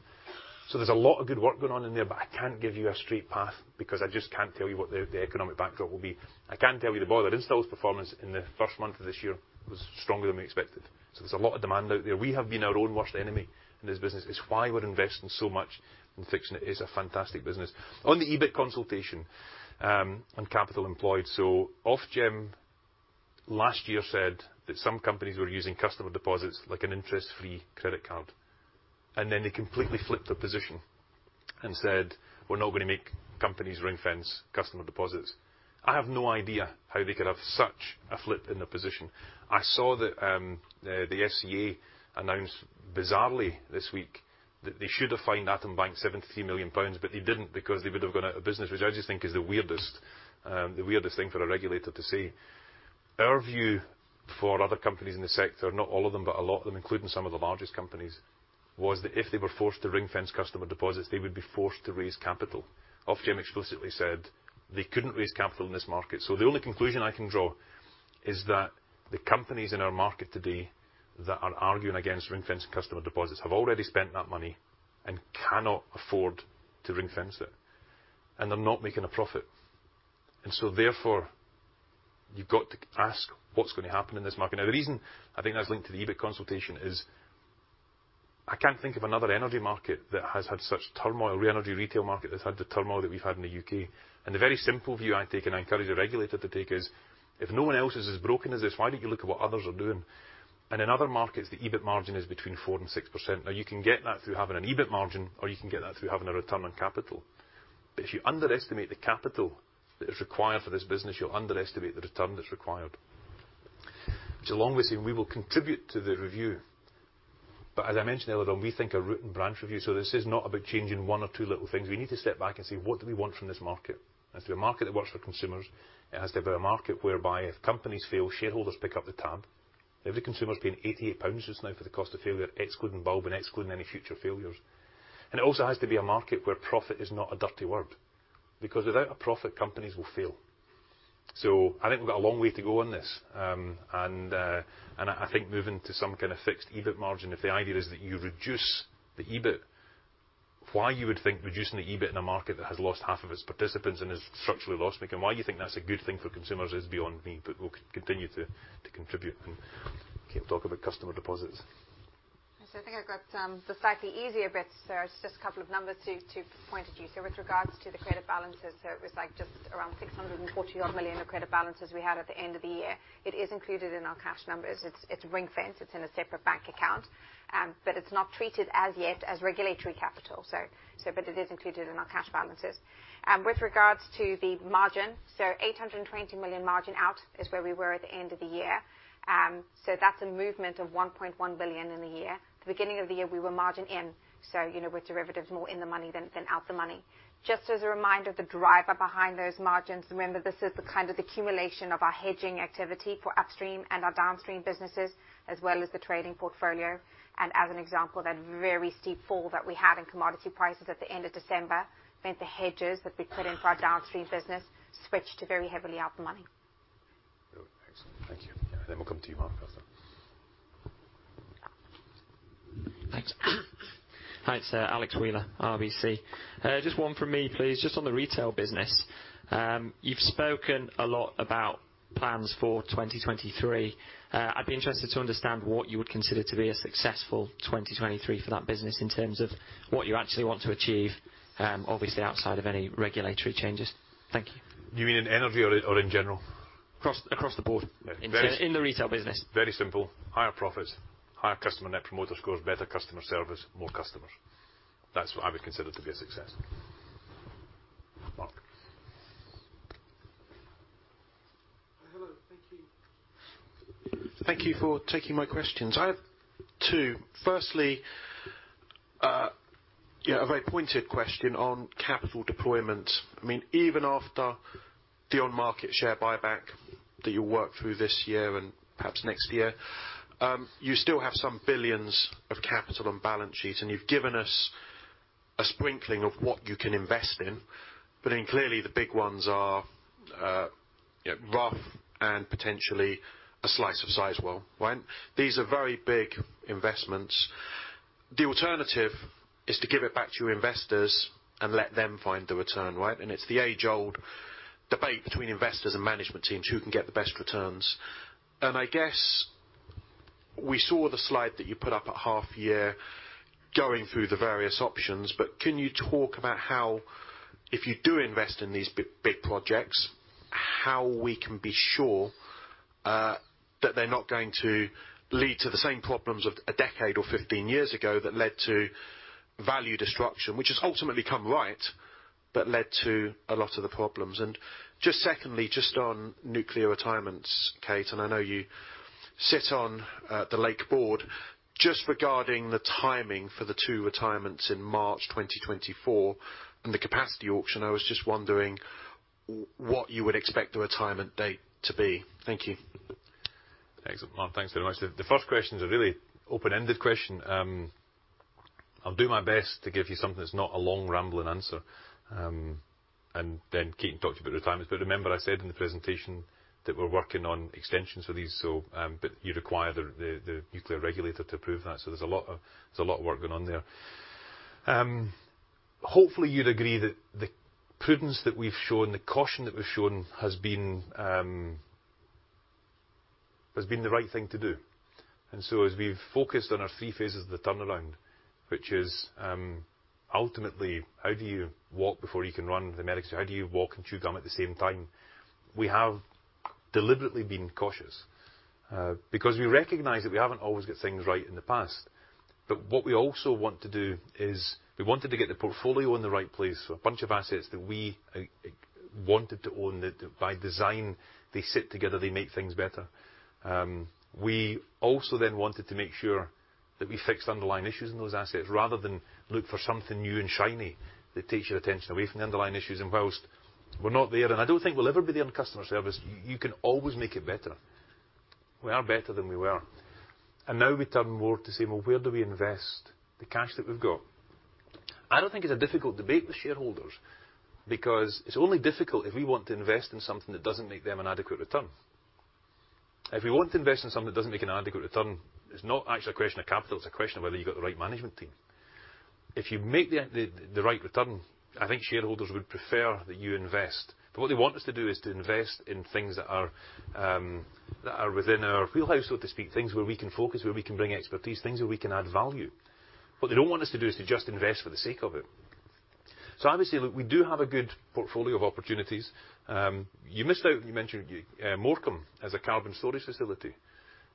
There's a lot of good work going on in there, but I can't give you a straight path because I just can't tell you what the economic backdrop will be. I can tell you the boiler installs performance in the first month of this year was stronger than we expected. There's a lot of demand out there. We have been our own worst enemy in this business. It's why we're investing so much in fixing it. It's a fantastic business. On the EBIT consultation, on capital employed, Ofgem last year said that some companies were using customer deposits like an interest-free credit card. Then they completely flipped their position and said, "We're now gonna make companies ring-fence customer deposits." I have no idea how they could have such a flip in their position. I saw that the FCA announced bizarrely this week that they should have fined Atom Bank 73 million pounds, but they didn't because they would have gone out of business, which I just think is the weirdest, the weirdest thing for a regulator to say. Our view for other companies in the sector, not all of them, but a lot of them, including some of the largest companies, was that if they were forced to ring-fence customer deposits, they would be forced to raise capital. Ofgem explicitly said they couldn't raise capital in this market. The only conclusion I can draw is that the companies in our market today that are arguing against ring-fencing customer deposits have already spent that money and cannot afford to ring-fence it, and they're not making a profit. Therefore, you've got to ask what's gonna happen in this market. The reason I think that's linked to the EBIT consultation is I can't think of another energy market that has had such turmoil, energy retail market that's had the turmoil that we've had in the UK. The very simple view I take, and I encourage the regulator to take is, if no one else is as broken as this, why don't you look at what others are doing? In other markets, the EBIT margin is between 4% and 6%. You can get that through having an EBIT margin, or you can get that through having a return on capital. If you underestimate the capital that is required for this business, you'll underestimate the return that's required. Which along we say we will contribute to the review. As I mentioned earlier on, we think a root and branch review. This is not about changing one or two little things. We need to step back and say, "What do we want from this market?" It has to be a market that works for consumers. It has to be a market whereby if companies fail, shareholders pick up the tab. Every consumer is paying 88 pounds just now for the cost of failure, excluding Bulb and excluding any future failures. It also has to be a market where profit is not a dirty word, because without a profit, companies will fail. I think we've got a long way to go on this. And I think moving to some kinda fixed EBIT margin, if the idea is that you reduce the EBIT, why you would think reducing the EBIT in a market that has lost half of its participants and is structurally loss-making, why you think that's a good thing for consumers is beyond me. We'll continue to contribute and keep talk about customer deposits. I think I've got the slightly easier bits. There are just a couple of numbers to point at you. With regards to the credit balances, it was like just around 640 odd million of credit balances we had at the end of the year. It is included in our cash numbers. It's ring-fence. It's in a separate bank account, it's not treated as yet as regulatory capital. It is included in our cash balances. With regards to the margin, 820 million margin out is where we were at the end of the year. That's a movement of 1.1 billion in the year. The beginning of the year, we were margin in, you know, with derivatives more in the money than out the money. Just as a reminder of the driver behind those margins, remember this is the kind of accumulation of our hedging activity for upstream and our downstream businesses, as well as the trading portfolio. As an example, that very steep fall that we had in commodity prices at the end of December meant the hedges that we put in for our downstream business switched to very heavily out of the money. Brilliant. Excellent. Thank you. We'll come to you, Mark, after. Thanks. Hi, it's Alexander Wheeler, RBC. Just one from me, please. Just on the retail business. You've spoken a lot about plans for 2023. I'd be interested to understand what you would consider to be a successful 2023 for that business in terms of what you actually want to achieve, obviously outside of any regulatory changes. Thank you. You mean in energy or in, or in general? Across the board. In the retail business. Very simple. Higher profits, higher customer Net Promoter Scores, better customer service, more customers. That's what I would consider to be a success. Mark. Hello. Thank you. Thank you for taking my questions. I have 2. Firstly, a very pointed question on capital deployment. I mean, even after the on-market share buyback that you'll work through this year and perhaps next year, you still have some billions of capital on balance sheet, and you've given us a sprinkling of what you can invest in. Clearly the big ones are, you know, rough and potentially a slice of Sizewell, right? These are very big investments. The alternative is to give it back to your investors and let them find the return, right? It's the age-old debate between investors and management teams, who can get the best returns. I guess we saw the slide that you put up at half year going through the various options, but can you talk about how, if you do invest in these big, big projects, how we can be sure that they're not going to lead to the same problems of a decade or 15 years ago that led to value destruction, which has ultimately come right, but led to a lot of the problems. Just secondly, just on nuclear retirements, Kate, and I know you sit on the Lake board, just regarding the timing for the 2 retirements in March 2024 and the capacity auction, I was just wondering what you would expect the retirement date to be. Thank you. Excellent, Mark. Thanks very much. The first question is a really open-ended question. I'll do my best to give you something that's not a long rambling answer. Kate can talk to you about the retirements. Remember I said in the presentation that we're working on extensions for these, so, but you require the nuclear regulator to approve that. There's a lot of work going on there. Hopefully you'd agree that the prudence that we've shown, the caution that we've shown has been the right thing to do. As we've focused on our three phases of the turnaround, which is, ultimately how do you walk before you can run? The medics say, how do you walk and chew gum at the same time? We have deliberately been cautious, because we recognize that we haven't always got things right in the past. What we also want to do is we wanted to get the portfolio in the right place. A bunch of assets that we wanted to own, that by design, they sit together, they make things better. We also wanted to make sure that we fixed underlying issues in those assets rather than look for something new and shiny that takes your attention away from the underlying issues. Whilst we're not there, and I don't think we'll ever be there on customer service, you can always make it better. We are better than we were. Now we turn more to say, "Well, where do we invest the cash that we've got?" I don't think it's a difficult debate with shareholders because it's only difficult if we want to invest in something that doesn't make them an adequate return. If we want to invest in something that doesn't make an adequate return, it's not actually a question of capital, it's a question of whether you've got the right management team. If you make the right return, I think shareholders would prefer that you invest. What they want us to do is to invest in things that are, that are within our wheelhouse, so to speak, things where we can focus, where we can bring expertise, things where we can add value. What they don't want us to do is to just invest for the sake of it. Obviously, look, we do have a good portfolio of opportunities. You missed out when you mentioned Morecambe as a carbon storage facility.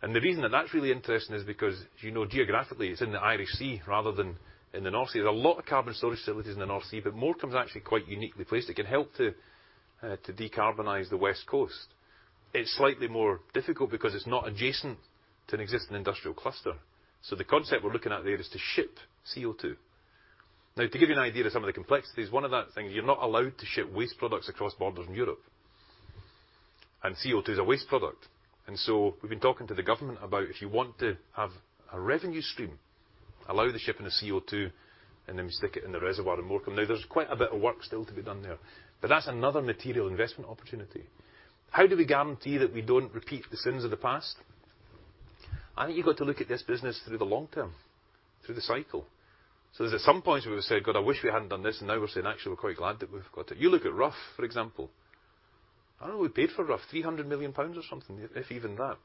The reason that that's really interesting is because you know geographically it's in the Irish Sea rather than in the North Sea. There's a lot of carbon storage facilities in the North Sea, but Morecambe is actually quite uniquely placed. It can help to decarbonize the West Coast. It's slightly more difficult because it's not adjacent to an existing industrial cluster. The concept we're looking at there is to ship CO2. Now, to give you an idea of some of the complexities, one of that things, you're not allowed to ship waste products across borders in Europe. CO2 is a waste product. We've been talking to the government about if you want to have a revenue stream, allow the shipping of CO2, then we stick it in the reservoir in Morecambe. There's quite a bit of work still to be done there. That's another material investment opportunity. How do we guarantee that we don't repeat the sins of the past? I think you've got to look at this business through the long term, through the cycle. There's at some point, we would say, "God, I wish we hadn't done this," and now we're saying, "Actually, we're quite glad that we've got it." You look at Rough, for example. I don't know what we paid for Rough, 300 million pounds or something, if even that.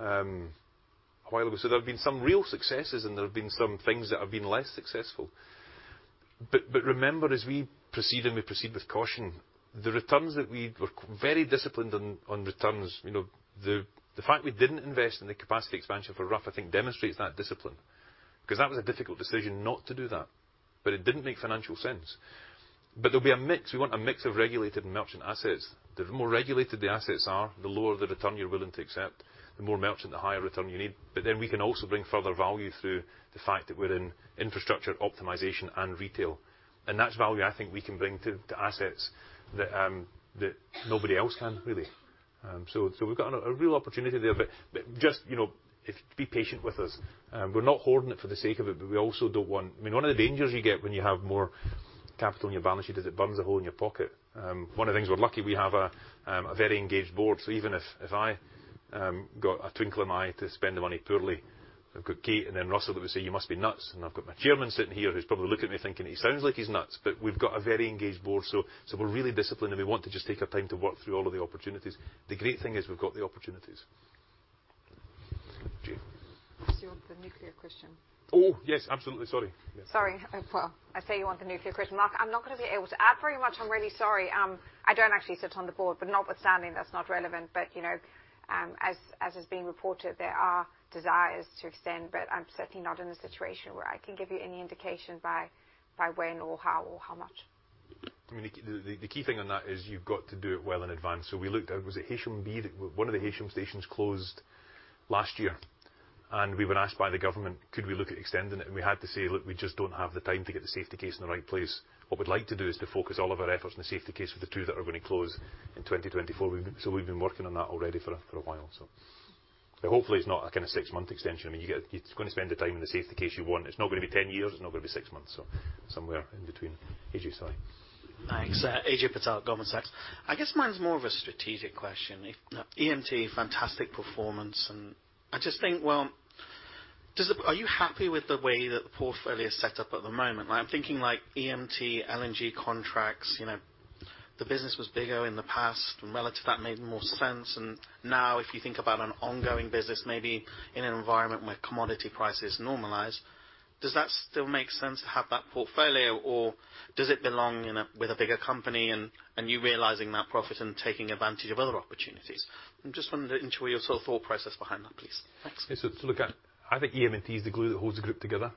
A while ago. There have been some real successes and there have been some things that have been less successful. Remember, as we proceed, and we proceed with caution, the returns that we're very disciplined on returns. You know, the fact we didn't invest in the capacity expansion for Rough, I think demonstrates that discipline, because that was a difficult decision not to do that, but it didn't make financial sense. There'll be a mix. We want a mix of regulated merchant assets. The more regulated the assets are, the lower the return you're willing to accept. The more merchant, the higher return you need. Then we can also bring further value through the fact that we're in infrastructure, optimization, and retail. That's value I think we can bring to assets that nobody else can, really. We've got a real opportunity there. Just, you know, be patient with us. We're not holding it for the sake of it, but we also don't want. I mean, one of the dangers you get when you have more capital in your balance sheet is it burns a hole in your pocket. One of the things we're lucky, we have a very engaged board. Even if I got a twinkle in my eye to spend the money poorly, I've got Kate and then Russell that would say, "You must be nuts." I've got my Chairman sitting here who's probably looking at me thinking, "He sounds like he's nuts." We've got a very engaged board, so we're really disciplined, and we want to just take our time to work through all of the opportunities. The great thing is we've got the opportunities, Jana. You want the nuclear question? Oh, yes, absolutely. Sorry. Sorry. Well, I say you want the nuclear question. Mark, I'm not gonna be able to add very much. I'm really sorry. I don't actually sit on the board, but notwithstanding, that's not relevant. You know, as is being reported, there are desires to extend, but I'm certainly not in a situation where I can give you any indication by when or how or how much. I mean, the key thing on that is you've got to do it well in advance. We looked at, was it Heysham B? One of the Heysham stations closed last year, and we were asked by the government, could we look at extending it? We had to say, "Look, we just don't have the time to get the safety case in the right place." What we'd like to do is to focus all of our efforts on the safety case for the two that are gonna close in 2024. We've been working on that already for a while. Hopefully it's not a kinda six-month extension. I mean, if you're gonna spend the time in the safety case you want, it's not gonna be 10 years, it's not gonna be 6 months, so somewhere in between. Ajay, sorry. Thanks. Ajay Patel, Goldman Sachs. I guess mine's more of a strategic question. EM&T, fantastic performance, and I just think, well, are you happy with the way that the portfolio is set up at the moment? I'm thinking like EM&T, LNG contracts, you know, the business was bigger in the past and relative to that made more sense. Now if you think about an ongoing business, maybe in an environment where commodity prices normalize, does that still make sense to have that portfolio or does it belong with a bigger company and you realizing that profit and taking advantage of other opportunities? I'm just wondering into your sort of thought process behind that, please. Thanks. Yes. Look, I think EM&T is the glue that holds the group together.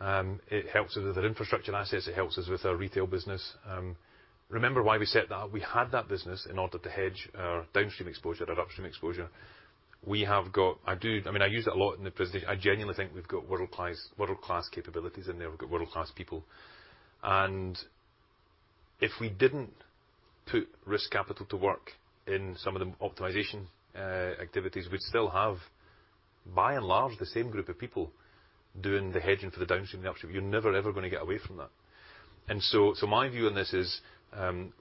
It helps with our infrastructure and assets, it helps us with our retail business. Remember why we set that up. We had that business in order to hedge our downstream exposure and upstream exposure. I mean, I use it a lot in the presentation. I genuinely think we've got world-class capabilities in there. We've got world-class people. If we didn't put risk capital to work in some of the optimization activities, we'd still have, by and large, the same group of people doing the hedging for the downstream and the upstream. You're never, ever gonna get away from that. So my view on this is,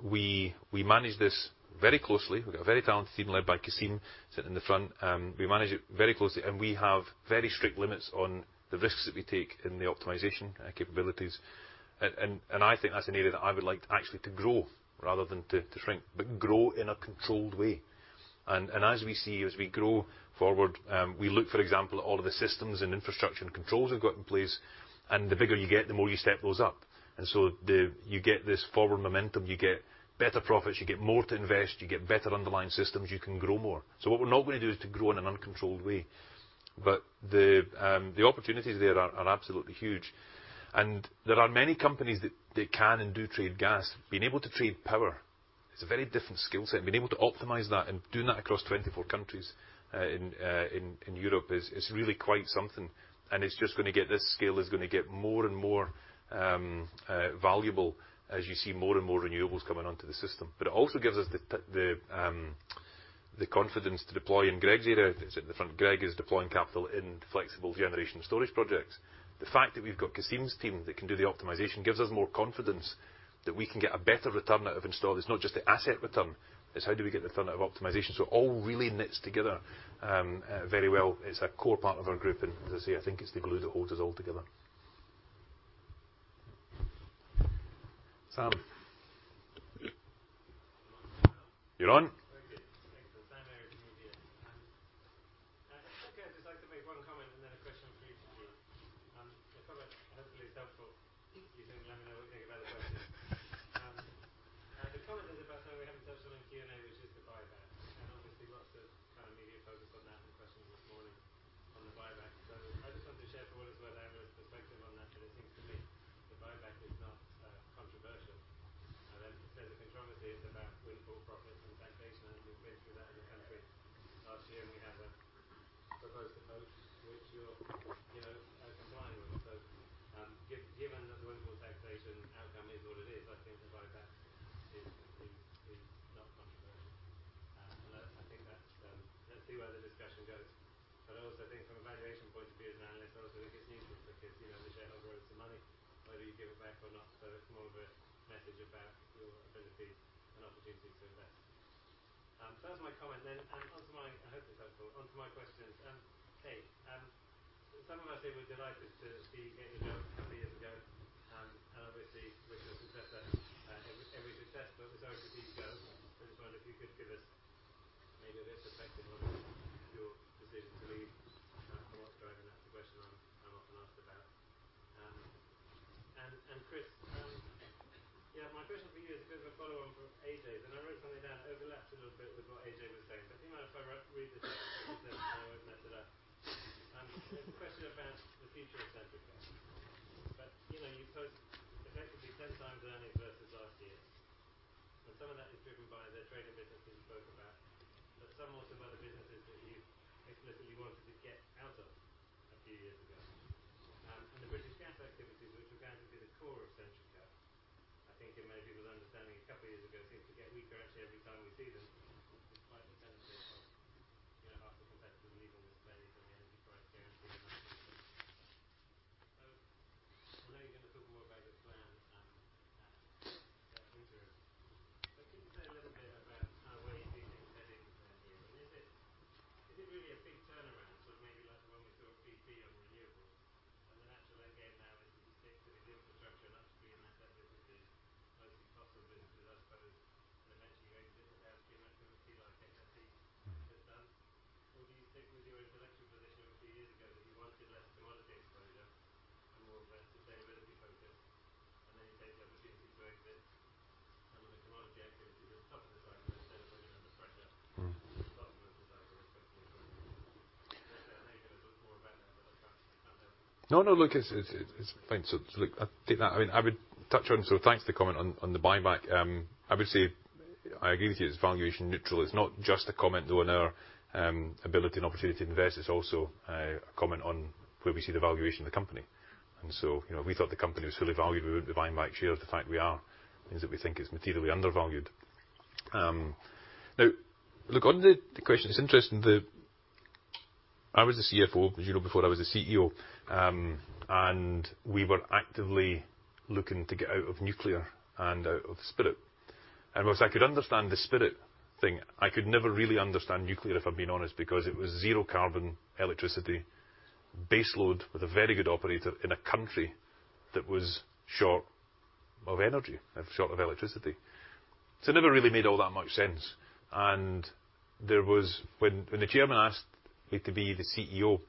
we manage this very closely. We've got a very talented team led by Kassim, sitting in the front. We manage it very closely, we have very strict limits on the risks that we take in the optimization capabilities. I think that's an area that I would like actually to grow rather than to shrink. Grow in a controlled way. As we see, as we grow forward, we look, for example, at all of the systems and infrastructure and controls we've got in place, the bigger you get, the more you step those up. You get this forward momentum. You get better profits. You get more to invest. You get better underlying systems. You can grow more. What we're not gonna do is to grow in an uncontrolled way. The opportunities there are absolutely huge. There are many companies that, they can and do trade gas. Being able to trade power is a very different skill set. Being able to optimize that and doing that across 24 countries in Europe is really quite something. It's just gonna get this scale. It's gonna get more and more valuable as you see more and more renewables coming onto the system. It also gives us the confidence to deploy in Greg's area. He's at the front. Greg is deploying capital in flexible generation storage projects. The fact that we've got Kassim's team that can do the optimization gives us more confidence that we can get a better return out of install. It's not just the asset return, it's how do we get the return out of optimization. It all really knits together, very well. It's a core part of our group and as I say, I think it's the glue that holds us all together. Sam, you're on. And we were actively looking to get out of nuclear and out of Spirit. Whilst I could understand the Spirit thing, I could never really understand nuclear, if I'm being honest, because it was zero carbon electricity baseload with a very good operator in a country that was short of energy and short of electricity. It never really made all that much sense. When the chairman asked me to be the CEO,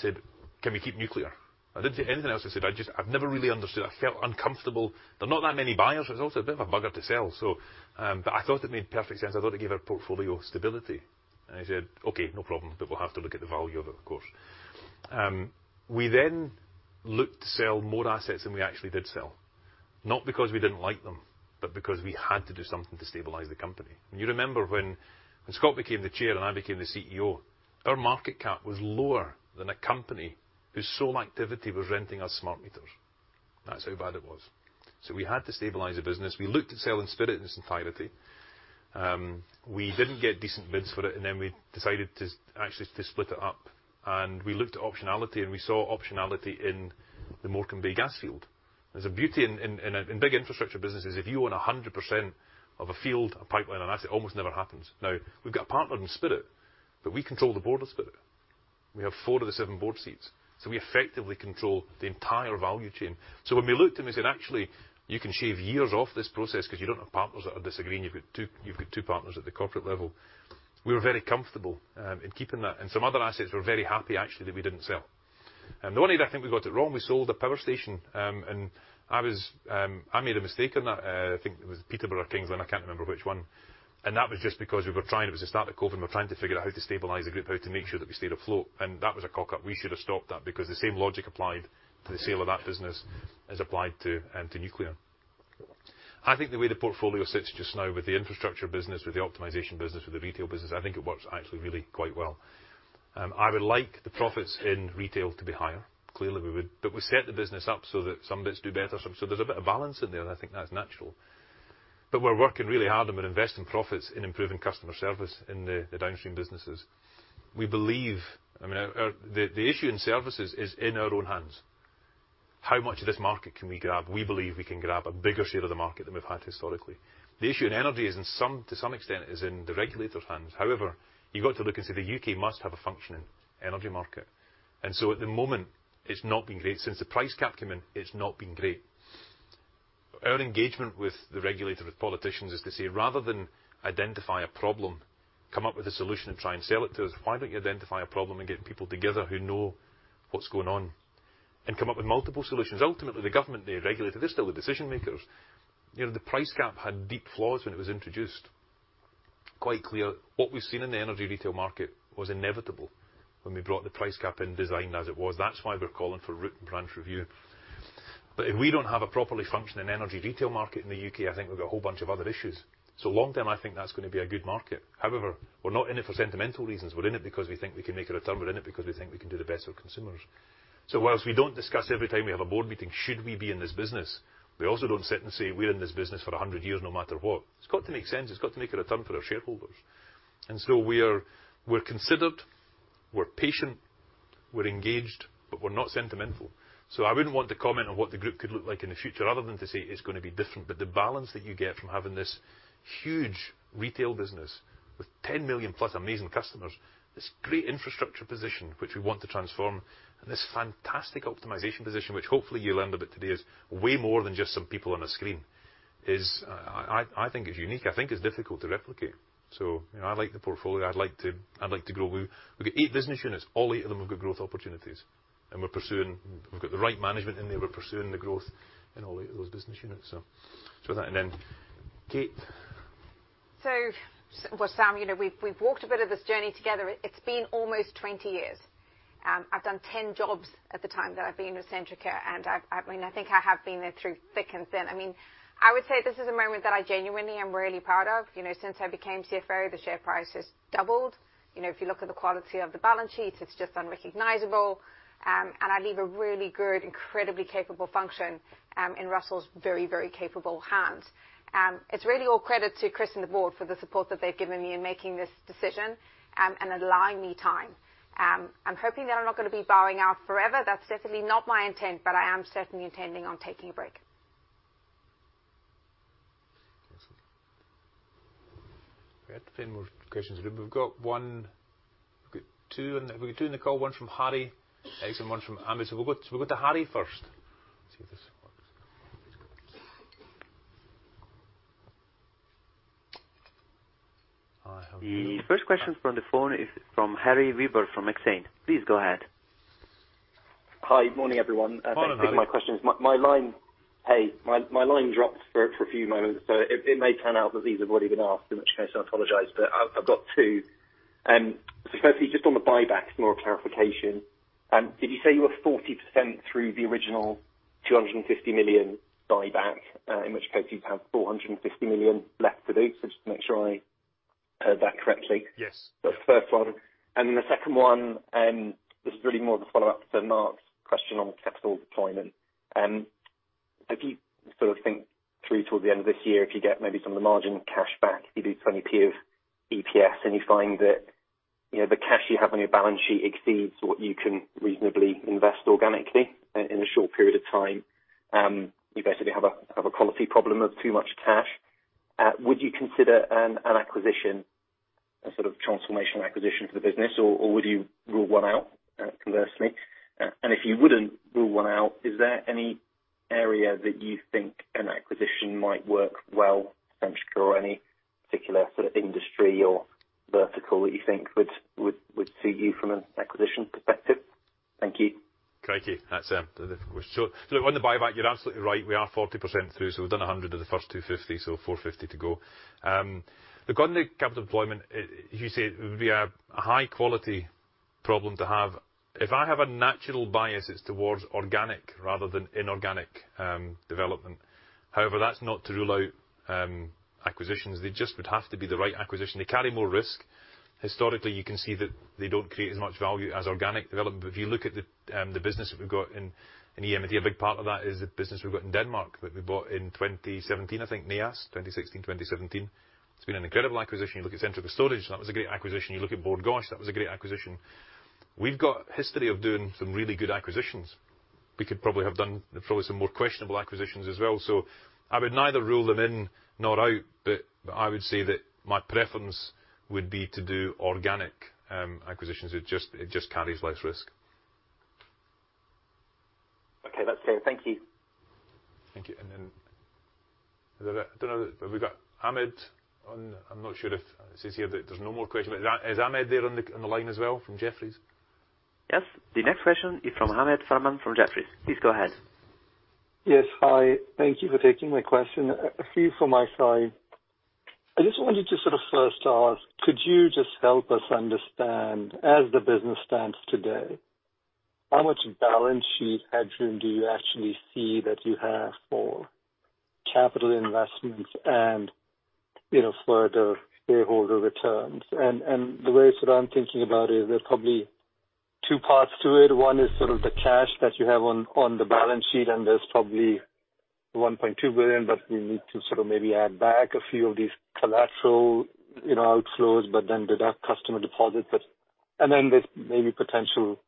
I said, "Can we keep nuclear?" I didn't say anything else. I said, I've never really understood. I felt uncomfortable. There are not that many buyers. It's also a bit of a bugger to sell, so I thought it made perfect sense. I thought it gave our portfolio stability. He said, "Okay, no problem, but we'll have to look at the value of it, of course." We looked to sell more assets than we actually did sell. Not because we didn't like them, but because we had to do something to stabilize the company. You remember when Scott became the chair and I became the CEO, our market cap was lower than a company whose sole activity was renting us smart meters. That's how bad it was. We had to stabilize the business. We looked at selling Spirit in its entirety. We didn't get decent bids for it, and then we decided actually to split it up. We looked at optionality, and we saw optionality in the Morecambe Bay gas field. There's a beauty in, in big infrastructure businesses. If you own 100% of a field, a pipeline, an asset, it almost never happens. We've got a partner in Spirit, but we control the board of Spirit. We have 4 of the 7 board seats. We effectively control the entire value chain. When we looked and we said, actually, you can shave years off this process because you don't have partners that are disagreeing. You've got 2 partners at the corporate level. We were very comfortable in keeping that. Some other assets we're very happy actually, that we didn't sell. The only I think we got it wrong, we sold a power station. I was, I made a mistake on that. I think it was Peterborough or King's Lynn, I can't remember which one. That was just because we were trying. It was the start of COVID and we're trying to figure out how to stabilize the group, how to make sure that we stayed afloat. That was a cockup. We should have stopped that because the same logic applied to the sale of that business as applied to nuclear. I think the way the portfolio sits just now with the infrastructure business, with the optimization business, with the retail business, I think it works actually really quite well. I would like the profits in retail to be higher. Clearly, we would. We set the business up so that some bits do better. There's a bit of balance in there, and I think that's natural. We're working really hard, and we're investing profits in improving customer service in the downstream businesses. We believe. I mean, our. The issue in services is in our own hands. How much of this market can we grab? We believe we can grab a bigger share of the market than we've had historically. The issue in energy to some extent is in the regulator's hands. You've got to look and say the U.K. must have a functioning energy market. At the moment it's not been great. Since the price cap came in, it's not been great. Our engagement with the regulator, with politicians, is to say, rather than identify a problem, come up with a solution and try and sell it to us. Why don't you identify a problem and get people together who know what's going on and come up with multiple solutions? Ultimately, the government, the regulator, they're still the decision makers. You know, the price cap had deep flaws when it was introduced. Quite clear. What we've seen in the energy retail market was inevitable when we brought the price cap in design as it was. That's why we're calling for root and branch review. If we don't have a properly functioning energy retail market in the UK, I think we've got a whole bunch of other issues. Long term, I think that's going to be a good market. However, we're not in it for sentimental reasons. We're in it because we think we can make a return. We're in it because we think we can do the best for consumers. Whilst we don't discuss every time we have a board meeting should we be in this business, we also don't sit and say, "We're in this business for a hundred years no matter what." It's got to make sense. It's got to make a return for our shareholders. We are, we're considered, we're patient, we're engaged, but we're not sentimental. I wouldn't want to comment on what the group could look like in the future other than to say it's gonna be different. The balance that you get from having this huge retail business with 10 million-plus amazing customers, this great infrastructure position which we want to transform, and this fantastic optimization position, which hopefully you learned a bit today is way more than just some people on a screen, is, I think is unique. I think it's difficult to replicate. You know, I like the portfolio. I'd like to grow. We've got eight business units. All eight of them have got growth opportunities. We've got the right management in there. We're pursuing the growth in all eight of those business units. That and Kate. Well, Sam, you know, we've walked a bit of this journey together. It's been almost 20 years. I've done 10 jobs at the time that I've been with Centrica, I mean, I think I have been there through thick and thin. I mean, I would say this is a moment that I genuinely am really proud of. You know, since I became CFO, the share price has doubled. You know, if you look at the quality of the balance sheet, it's just unrecognizable. I leave a really good, incredibly capable function, in Russell's very, very capable hands. It's really all credit to Chris and the board for the support that they've given me in making this decision, and allowing me time. I'm hoping that I'm not gonna be bowing out forever. That's definitely not my intent, but I am certainly intending on taking a break. We have a few more questions. We've got one. We've got two in the call, one from Harry and one from Amit. We'll go to Harry first. See if this works. Hi, how are you? The first question from the phone is from Harry Wyburd from Exane. Please go ahead. Hi. Morning, everyone. Morning, Harry. Thanks. I think my question is my line dropped for a few moments. It may turn out that these have already been asked, in which case I apologize, but I've got two. Firstly, just on the buyback, more clarification. Did you say you were 40% through the original 250 million buyback? In which case you'd have 450 million left to do. Just to make sure I heard that correctly. Yes. That's the first one. The second one, this is really more of a follow-up to Mark's question on capital deployment. If you sort of think through toward the end of this year, if you get maybe some of the margin cash back, if you do 20p of EPS and you find that, you know, the cash you have on your balance sheet exceeds what you can reasonably invest organically in a short period of time, you basically have a quality problem of too much cash. Would you consider an acquisition, a sort of transformation acquisition for the business? Or would you rule one out, conversely? If you wouldn't rule one out, is there any area that you think an acquisition might work well for Centrica or any particular sort of industry or vertical that you think would suit you from an acquisition perspective? Thank you. Crikey. That's. Look, on the buyback, you're absolutely right. We are 40% through, so we've done 100 of the first 250, so 450 to go. Look, on the capital deployment. As you say, it would be a high-quality problem to have. If I have a natural bias, it's towards organic rather than inorganic development. However, that's not to rule out acquisitions. They just would have to be the right acquisition. They carry more risk. Historically, you can see that they don't create as much value as organic development. If you look at the business that we've got in EM&T, a big part of that is the business we've got in Denmark that we bought in 2017, I think, NEAS Energy, 2016, 2017. It's been an incredible acquisition. You look at Centrica Storage, that was a great acquisition. You look at Bord Gáis Energy, that was a great acquisition. We've got history of doing some really good acquisitions. We could probably have done probably some more questionable acquisitions as well. I would neither rule them in nor out, but I would say that my preference would be to do organic acquisitions. It just carries less risk. Okay. That's it. Thank you. Thank you. Is that it? I don't know. Have we got Ahmed Farman on. I'm not sure. It says here that there's no more questions. Is Ahmed Farman there on the line as well from Jefferies? Yes. The next question is from Ahmed Farman from Jefferies. Please go ahead. Yes. Hi. Thank you for taking my question. A few from my side. I just wanted to sort of first ask, could you just help us understand, as the business stands today, how much balance sheet headroom do you actually see that you have for capital investments and, you know, further shareholder returns? The way sort of I'm thinking about it, there's probably two parts to it. One is sort of the cash that you have on the balance sheet, there's probably 1.2 billion, we need to sort of maybe add back a few of these collateral, you know, outflows then deduct customer deposits. Then there's maybe potential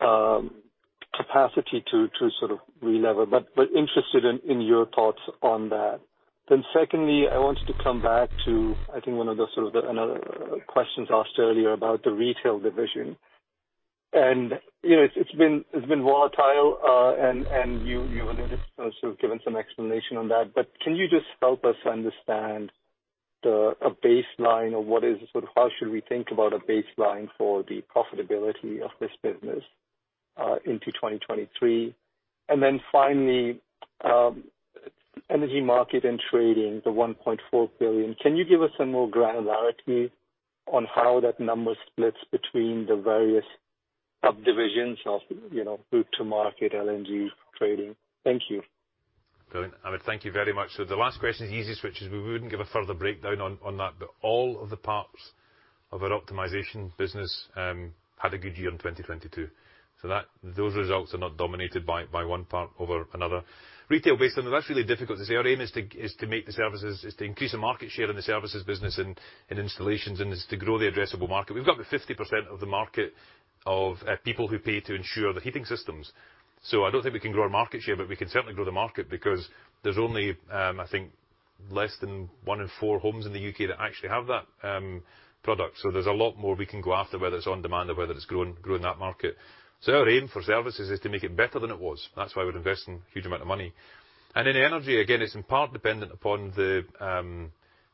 capacity to sort of relever. Interested in your thoughts on that. Secondly, I wanted to come back to, I think one of the sort of another questions asked earlier about the retail division. You know, it's been volatile, and you earlier sort of given some explanation on that. Can you just help us understand the, a baseline of what is. Sort of how should we think about a baseline for the profitability of this business? Into 2023. Finally, Energy Marketing & Trading, the 1.4 billion. Can you give us some more granularity on how that number splits between the various subdivisions of, you know, route to market, LNG trading? Thank you. Brilliant. Ahmed Farman, thank you very much. The last question is the easiest, which is we wouldn't give a further breakdown on that, but all of the parts of our optimization business had a good year in 2022. Those results are not dominated by one part over another. Retail, based on that's really difficult to say. Our aim is to increase the market share in the services business and installations, and it's to grow the addressable market. We've got the 50% of the market of people who pay to insure their heating systems. I don't think we can grow our market share, but we can certainly grow the market because there's only, I think less than one in four homes in the U.K. that actually have that product. There's a lot more we can go after, whether it's on demand or whether it's growing that market. Our aim for services is to make it better than it was. That's why we're investing huge amount of money. In energy, again, it's in part dependent upon the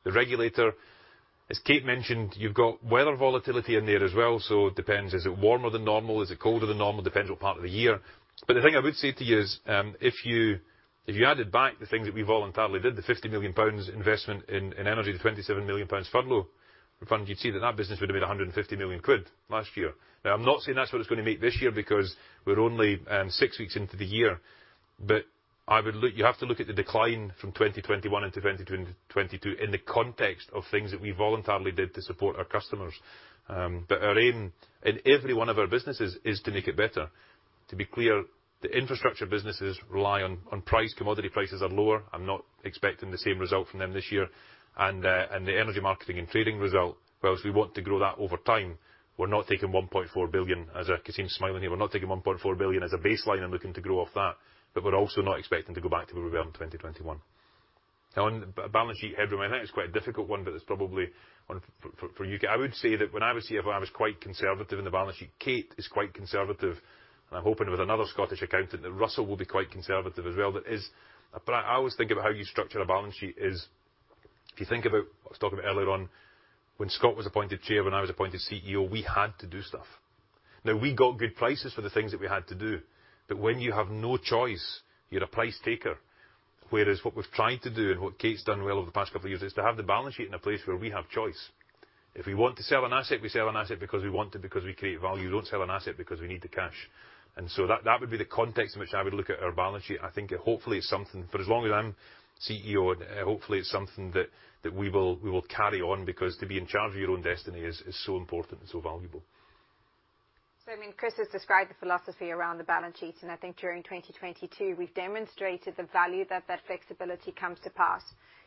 regulator. As Kate mentioned, you've got weather volatility in there as well. It depends. Is it warmer than normal? Is it colder than normal? Depends what part of the year. The thing I would say to you is, if you, if you added back the things that we voluntarily did, the 50 million pounds investment in energy, the 27 million pounds furlough fund, you'd see that that business would have made 150 million quid last year. I'm not saying that's what it's gonna make this year because we're only six weeks into the year. You have to look at the decline from 2021 into 2022 in the context of things that we voluntarily did to support our customers. Our aim in every one of our businesses is to make it better. To be clear, the infrastructure businesses rely on price. Commodity prices are lower. I'm not expecting the same result from them this year. The Energy Marketing & Trading result, whilst we want to grow that over time, we're not taking 1.4 billion as a Kassim's smiling here. We're not taking 1.4 billion as a baseline and looking to grow off that, but we're also not expecting to go back to where we were in 2021. On balance sheet headroom, I know it's quite a difficult one, but it's probably one for you. I would say that when I was CFO, I was quite conservative in the balance sheet. Kate is quite conservative, I'm hoping with another Scottish accountant, that Russell will be quite conservative as well. I always think about how you structure a balance sheet is if you think about, I was talking about earlier on, when Scott was appointed chair, when I was appointed CEO, we had to do stuff. We got good prices for the things that we had to do. When you have no choice, you're a price taker. Whereas what we've tried to do and what Kate's done well over the past couple of years is to have the balance sheet in a place where we have choice. If we want to sell an asset, we sell an asset because we want to, because we create value. We don't sell an asset because we need the cash. That would be the context in which I would look at our balance sheet. I think hopefully it's something for as long as I'm CEO, and hopefully it's something that we will carry on, because to be in charge of your own destiny is so important and so valuable. I mean, Chris has described the philosophy around the balance sheet, and I think during 2022 we've demonstrated the value that that flexibility comes to pass.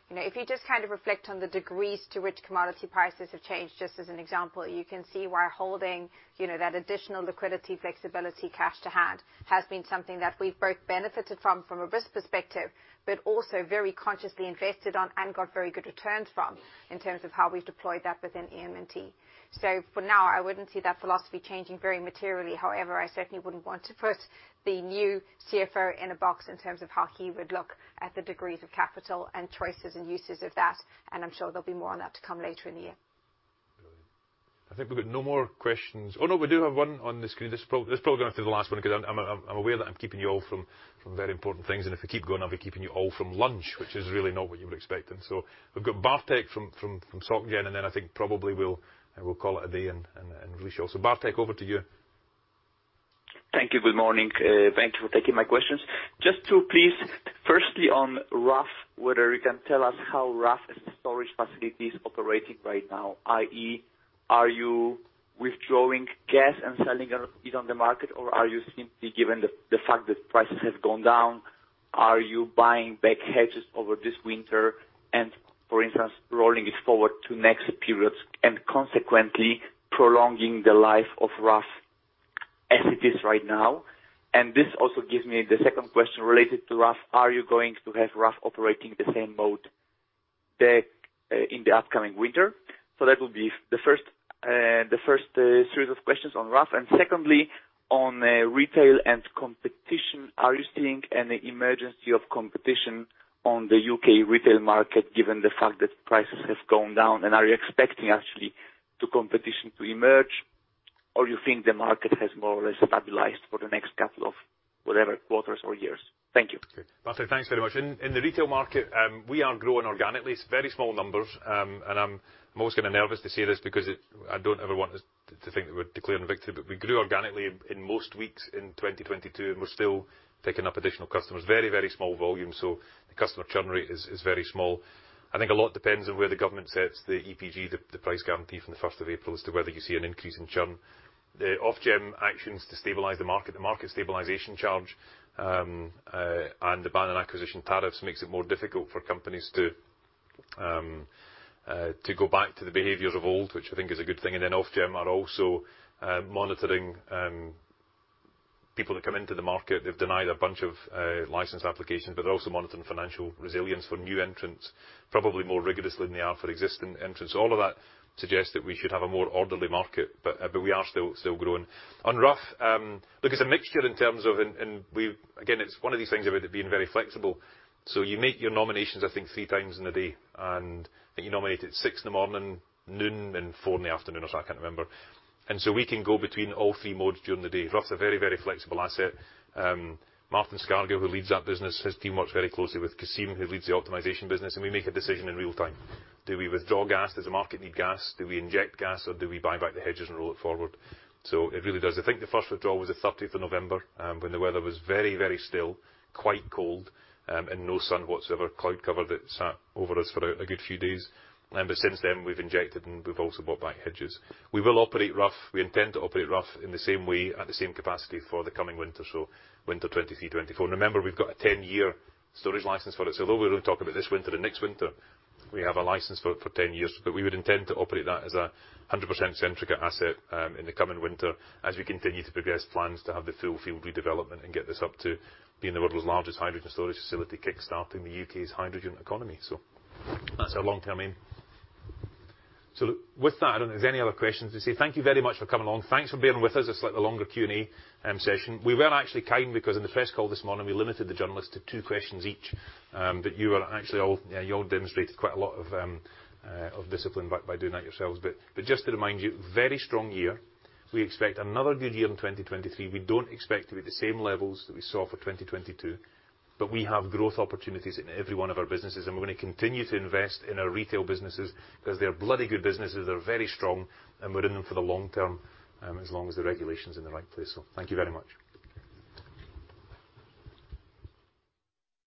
You know, if you just kind of reflect on the degrees to which commodity prices have changed, just as an example, you can see why holding, you know, that additional liquidity, flexibility, cash to hand has been something that we've both benefited from from a risk perspective, but also very consciously invested on and got very good returns from in terms of how we've deployed that within EM&T. For now, I wouldn't see that philosophy changing very materially. I certainly wouldn't want to put the new CFO in a box in terms of how he would look at the degrees of capital and choices and uses of that, and I'm sure there'll be more on that to come later in the year. Brilliant. I think we've got no more questions. Oh, no, we do have one on the screen. This is probably gonna have to be the last one because I'm aware that I'm keeping you all from very important things, and if I keep going, I'll be keeping you all from lunch, which is really not what you were expecting. We've got Bart Maraszek from SocGen and then I think probably we'll call it a day and release you all. Bart Maraszek, over to you. Thank you. Good morning. Thank you for taking my questions. Just two, please. Firstly, on Rough, whether you can tell us how Rough as a storage facility is operating right now, i.e., are you withdrawing gas and selling it on the market, or are you simply, given the fact that prices have gone down, are you buying back hedges over this winter and, for instance, rolling it forward to next periods and consequently prolonging the life of Rough as it is right now? This also gives me the second question related to Rough. Are you going to have Rough operating the same mode in the upcoming winter? That would be the first series of questions on Rough. Secondly, on retail and competition. Are you seeing any emergence of competition on the UK retail market given the fact that prices have gone down? Are you expecting actually to competition to emerge, or you think the market has more or less stabilized for the next couple of whatever quarters or years? Thank you. Bart, thanks very much. In the retail market, we are growing organically. It's very small numbers. I'm almost kinda nervous to say this because I don't ever want us to think that we're declaring victory. We grew organically in most weeks in 2022, and we're still taking up additional customers. Very small volume, so the customer churn rate is very small. I think a lot depends on where the government sets the EPG, the price guarantee from the first of April as to whether you see an increase in churn. The Ofgem actions to stabilize the market, the Market Stabilization Charge, and the ban on acquisition tariffs makes it more difficult for companies to go back to the behaviors of old, which I think is a good thing. Ofgem are also monitoring people that come into the market. They've denied a bunch of license applications, but they're also monitoring financial resilience for new entrants, probably more rigorously than they are for existing entrants. All of that suggests that we should have a more orderly market, but we are still growing. On Rough, look, it's a mixture in terms of. Again, it's one of these things about it being very flexible. You make your nominations, I think, 3 times in a day, I think you nominate at 6:00 A.M., 12:00 P.M., and 4:00 P.M. or so. I can't remember. We can go between all 3 modes during the day. Rough's a very flexible asset. Martin Scargill, who leads that business, his team works very closely with Kassim, who leads the optimization business. We make a decision in real time. Do we withdraw gas? Does the market need gas? Do we inject gas, or do we buy back the hedges and roll it forward? It really does. I think the first withdrawal was the 30th of November, when the weather was very, very still, quite cold, and no sun whatsoever. Cloud cover that sat over us for a good few days. Since then, we've injected, and we've also bought back hedges. We will operate Rough, we intend to operate Rough in the same way at the same capacity for the coming winter, so winter 23, 24. Remember, we've got a 10-year storage license for it. Although we only talk about this winter and next winter, we have a license for 10 years. We would intend to operate that as a 100% Centrica asset, in the coming winter as we continue to progress plans to have the full field redevelopment and get this up to being the world's largest hydrogen storage facility, kickstarting the UK's hydrogen economy. That's our long-term aim. With that, I don't know if there's any other questions. If so, thank you very much for coming along. Thanks for being with us. A slightly longer Q&A, session. We were actually kind, because in the press call this morning, we limited the journalists to 2 questions each. But you were actually all, you know, you all demonstrated quite a lot of discipline by doing that yourselves. Just to remind you, very strong year. We expect another good year in 2023. We don't expect to be the same levels that we saw for 2022, but we have growth opportunities in every one of our businesses, and we're gonna continue to invest in our retail businesses, 'cause they're bloody good businesses. They're very strong, and we're in them for the long term, as long as the regulation's in the right place. Thank you very much.